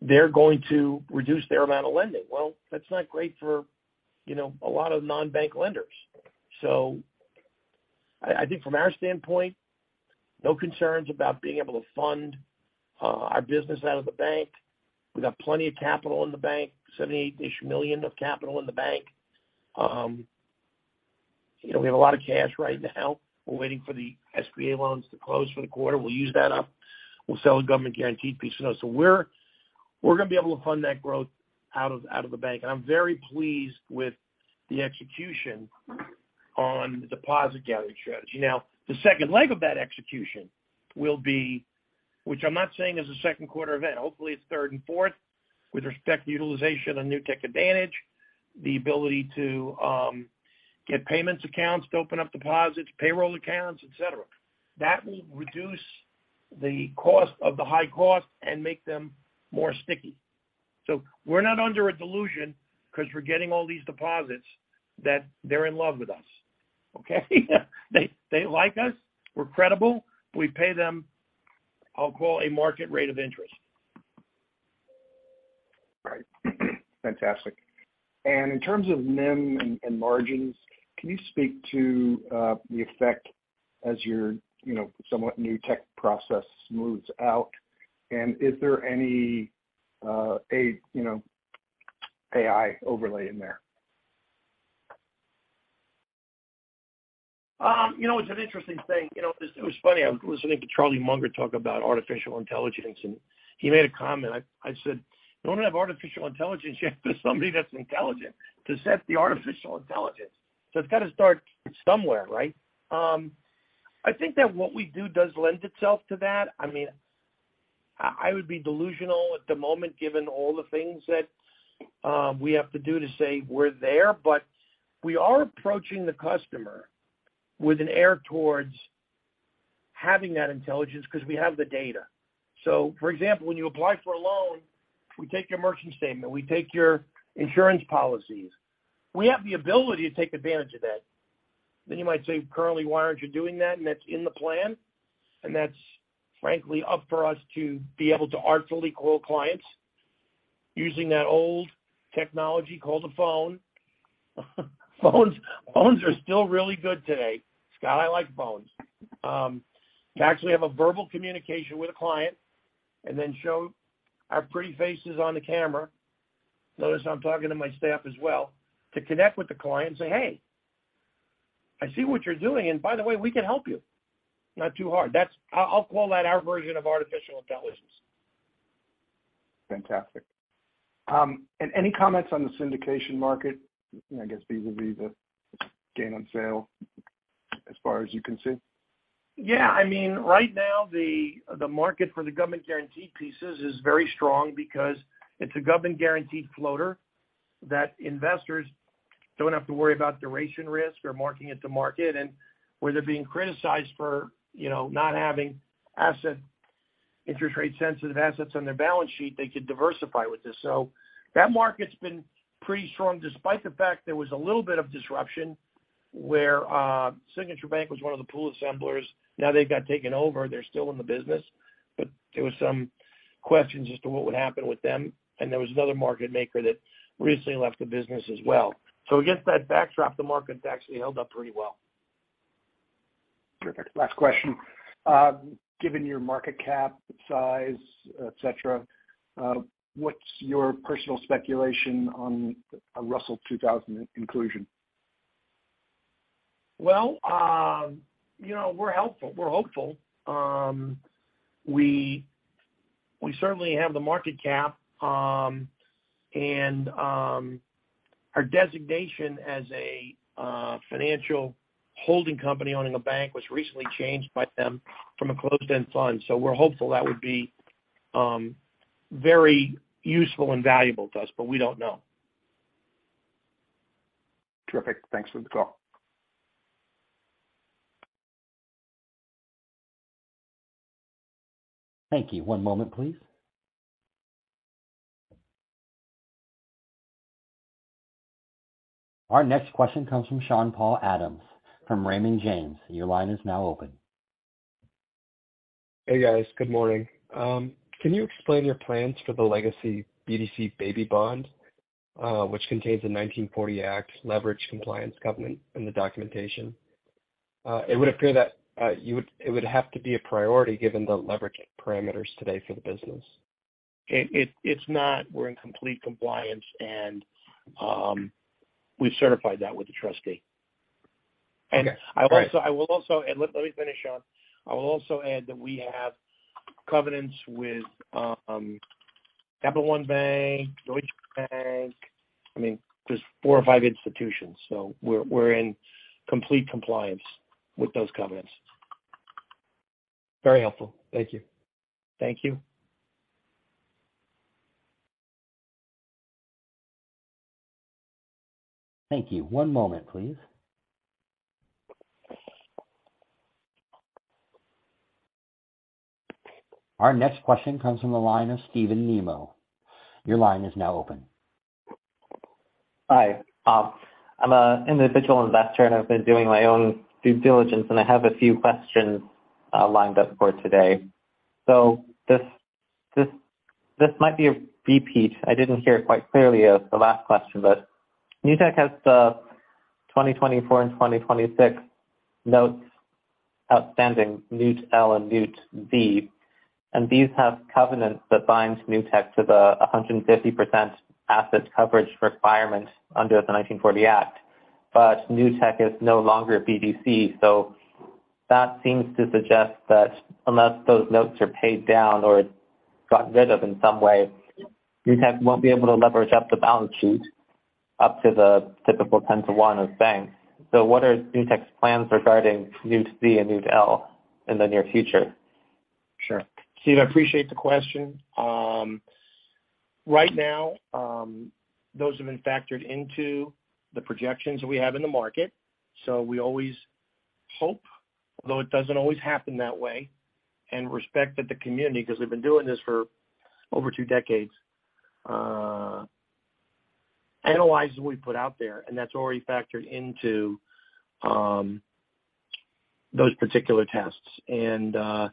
they're going to reduce their amount of lending. That's not great for, you know, a lot of non-bank lenders. I think from our standpoint, no concerns about being able to fund our business out of the bank. We've got plenty of capital in the bank, $78-ish million of capital in the bank. You know, we have a lot of cash right now. We're waiting for the SBA loans to close for the quarter. We'll use that up. We'll sell a government guarantee piece. We're gonna be able to fund that growth out of the bank. I'm very pleased with the execution on the deposit gathering strategy. The second leg of that execution will be, which I'm not saying is a second quarter event. Hopefully, it's third and fourth with respect to utilization of Newtek Advantage, the ability to get payments accounts to open up deposits, payroll accounts, et cetera. That will reduce the cost of the high cost and make them more sticky. We're not under a delusion because we're getting all these deposits that they're in love with us. Okay? They like us. We're credible. We pay them, I'll call a market rate of interest. Right. Fantastic. In terms of NIM and margins, can you speak to the effect as your, you know, somewhat Newtek process smooths out? Is there any, you know, AI overlay in there? You know, it's an interesting thing. You know, it was funny. I was listening to Charlie Munger talk about artificial intelligence, he made a comment. I said, you want to have artificial intelligence, you have to have somebody that's intelligent to set the artificial intelligence. It's got to start somewhere, right? I think that what we do does lend itself to that. I mean, I would be delusional at the moment, given all the things that we have to do to say we're there. We are approaching the customer with an air towards having that intelligence because we have the data. For example, when you apply for a loan, we take your merchant statement. We take your insurance policies. We have the ability to take advantage of that. You might say, currently, why aren't you doing that? That's in the plan. That's frankly up for us to be able to artfully call clients using that old technology called the phone. Phones are still really good today. Scott, I like phones. To actually have a verbal communication with a client and then show our pretty faces on the camera. Notice I'm talking to my staff as well to connect with the client and say, "Hey, I see what you're doing. By the way, we can help you." Not too hard. I'll call that our version of artificial intelligence. Fantastic. Any comments on the syndication market, I guess vis-a-vis the gain on sale as far as you can see? Yeah. I mean, right now the market for the government guaranteed pieces is very strong because it's a government guaranteed floater that investors don't have to worry about duration risk or marking it to market. Where they're being criticized for, you know, not having interest rate sensitive assets on their balance sheet, they could diversify with this. That market's been pretty strong, despite the fact there was a little bit of disruption where Signature Bank was one of the pool assemblers. Now they've got taken over. They're still in the business. There was some questions as to what would happen with them. There was another market maker that recently left the business as well. Against that backdrop, the market's actually held up pretty well. Perfect. Last question. Given your market cap size, et cetera, what's your personal speculation on a Russell 2000 inclusion? Well, you know, we're helpful. We're hopeful. We certainly have the market cap. Our designation as a financial holding company owning a bank was recently changed by them from a closed-end fund. We're hopeful that would be very useful and valuable to us, but we don't know. Terrific. Thanks for the call. Thank you. One moment, please. Our next question comes from Sean Paul Adams from Raymond James. Your line is now open. Hey, guys. Good morning. Can you explain your plans for the legacy BDC baby bond, which contains a 1940 Act leverage compliance covenant in the documentation? It would appear that it would have to be a priority given the leverage parameters today for the business. It's not. We're in complete compliance, and we've certified that with the trustee. Okay. All right. Let me finish, Sean. I will also add that we have covenants with Capital One Bank, Deutsche Bank. I mean, there's four or five institutions. We're in complete compliance with those covenants. Very helpful. Thank you. Thank you. Thank you. One moment, please. Our next question comes from the line of Stephen Nemo. Your line is now open. Hi. I'm an individual investor, and I've been doing my own due diligence, and I have a few questions lined up for today. This might be a repeat. I didn't hear it quite clearly as the last question, Newtek has the 2024 and 2026 notes outstanding, NEWTL and NEWTZ. These have covenants that bind Newtek to the 150% asset coverage requirement under the 1940 Act. Newtek is no longer a BDC. That seems to suggest that unless those notes are paid down or gotten rid of in some way, Newtek won't be able to leverage up the balance sheet up to the typical 10 to 1 of banks. What are Newtek's plans regarding NEWTZ and NEWTL in the near future? Sure. Steve, I appreciate the question. Right now, those have been factored into the projections that we have in the market. We always hope, although it doesn't always happen that way, and respect that the community, because we've been doing this for over two decades, analyzes what we put out there. That's already factored into those particular tests. I'm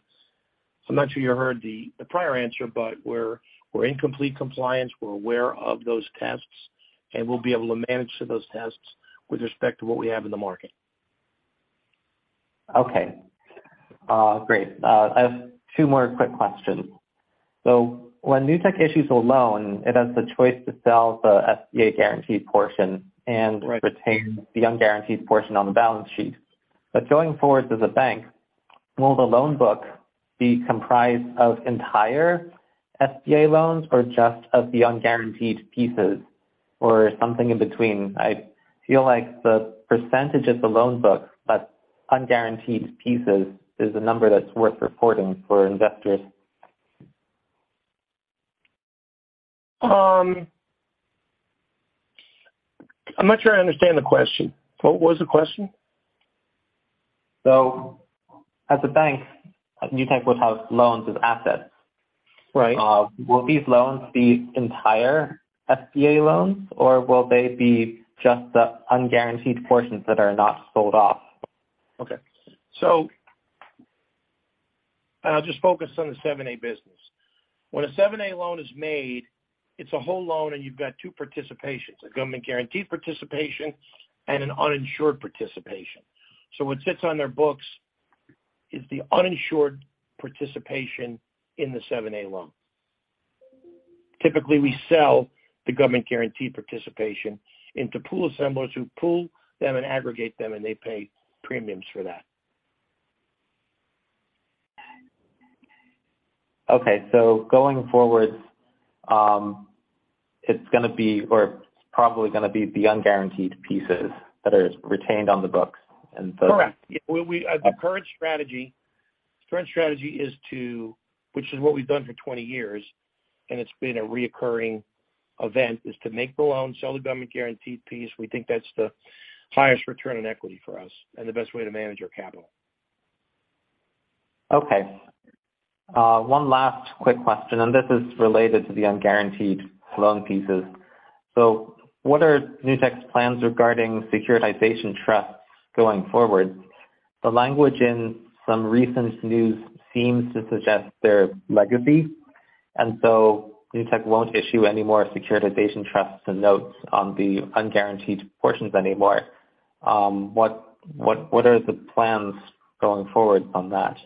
not sure you heard the prior answer, but we're in complete compliance. We're aware of those tests, and we'll be able to manage to those tests with respect to what we have in the market. Okay. Great. I have two more quick questions. When Newtek issues a loan, it has the choice to sell the SBA guaranteed portion and- Right. retain the unguaranteed portion on the balance sheet. Going forward as a bank, will the loan book be comprised of entire SBA loans or just of the unguaranteed pieces or something in between? I feel like the percentage of the loan book, but unguaranteed pieces is a number that's worth reporting for investors. I'm not sure I understand the question. What was the question? As a bank, Newtek would have loans as assets. Right. Will these loans be entire SBA loans, or will they be just the unguaranteed portions that are not sold off? Okay. I'll just focus on the 7(a) business. When a 7(a) loan is made, it's a whole loan, and you've got two participations, a government guaranteed participation and an uninsured participation. What sits on their books is the uninsured participation in the 7(a) loan. Typically, we sell the government guaranteed participation into pool assemblers who pool them and aggregate them, and they pay premiums for that. Okay. going forward, it's gonna be or probably gonna be the unguaranteed pieces that is retained on the books and so. Correct. Yeah. We The current strategy is to, which is what we've done for 20 years, it's been a recurring event, is to make the loan, sell the government-guaranteed piece. We think that's the highest return on equity for us and the best way to manage our capital. Okay. One last quick question, this is related to the unguaranteed loan pieces. What are Newtek's plans regarding securitization trusts going forward? The language in some recent news seems to suggest they're legacy. Newtek won't issue any more securitization trusts and notes on the unguaranteed portions anymore. What are the plans going forward on that?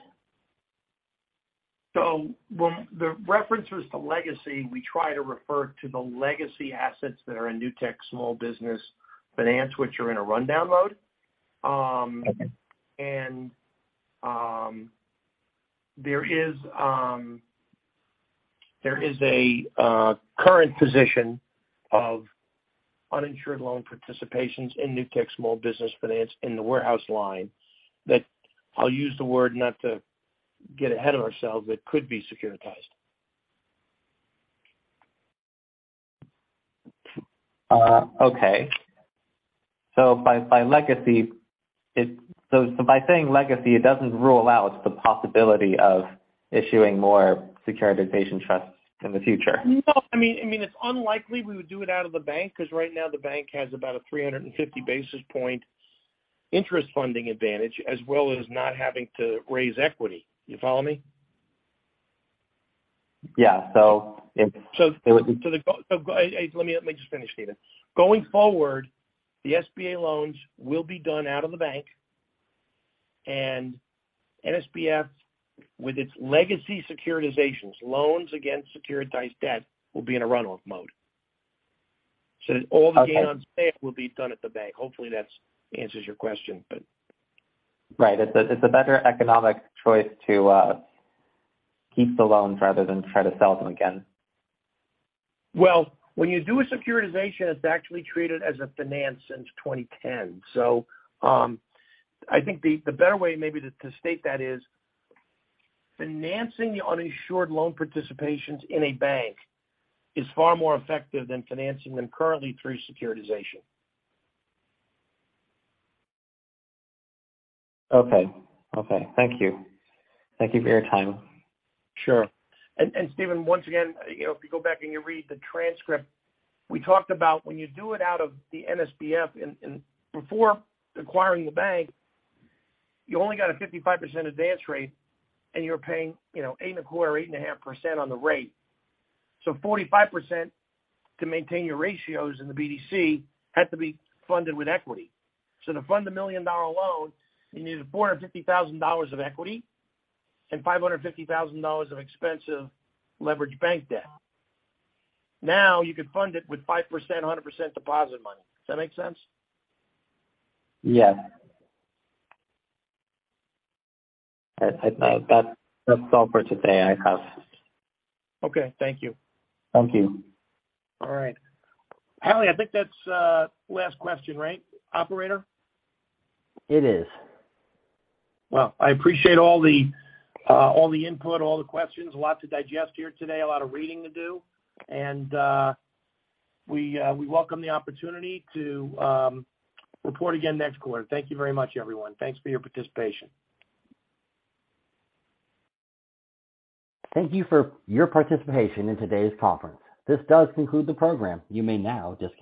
When the reference was to legacy, we try to refer to the legacy assets that are in Newtek Small Business Finance, which are in a rundown mode. Okay. There is a current position of uninsured loan participations in Newtek Small Business Finance in the warehouse line that I'll use the word not to get ahead of ourselves, but could be securitized. Okay. By saying legacy, it doesn't rule out the possibility of issuing more securitization trusts in the future. No. I mean, it's unlikely we would do it out of the bank because right now the bank has about a 350 basis point interest funding advantage as well as not having to raise equity. You follow me? Yeah. Let me just finish, Steven. Going forward, the SBA loans will be done out of the bank and NSBF with its legacy securitizations, loans against securitized debt will be in a run-off mode. Okay. gain on sale will be done at the Bank. Hopefully, that's answers your question, but. Right. It's a, it's a better economic choice to keep the loans rather than try to sell them again. When you do a securitization, it's actually treated as a finance since 2010. I think the better way maybe to state that is financing the uninsured loan participations in a bank is far more effective than financing them currently through securitization. Okay. Thank you for your time. Sure. Steven, once again, you know, if you go back and you read the transcript, we talked about when you do it out of the NSBF and, before acquiring the bank, you only got a 55% advance rate, and you were paying, you know, 8.25%, 8.5% on the rate. 45% to maintain your ratios in the BDC had to be funded with equity. To fund a million-dollar loan, you needed $450,000 of equity and $550,000 of expensive leveraged bank debt. Now, you could fund it with 5%, 100% deposit money. Does that make sense? Yes. I, that's all for today. Okay. Thank you. Thank you. All right. Hallie, I think that's last question, right, operator? It is. Well, I appreciate all the, all the input, all the questions. A lot to digest here today, a lot of reading to do. We welcome the opportunity to report again next quarter. Thank you very much, everyone. Thanks for your participation. Thank you for your participation in today's conference. This does conclude the program. You may now disconnect.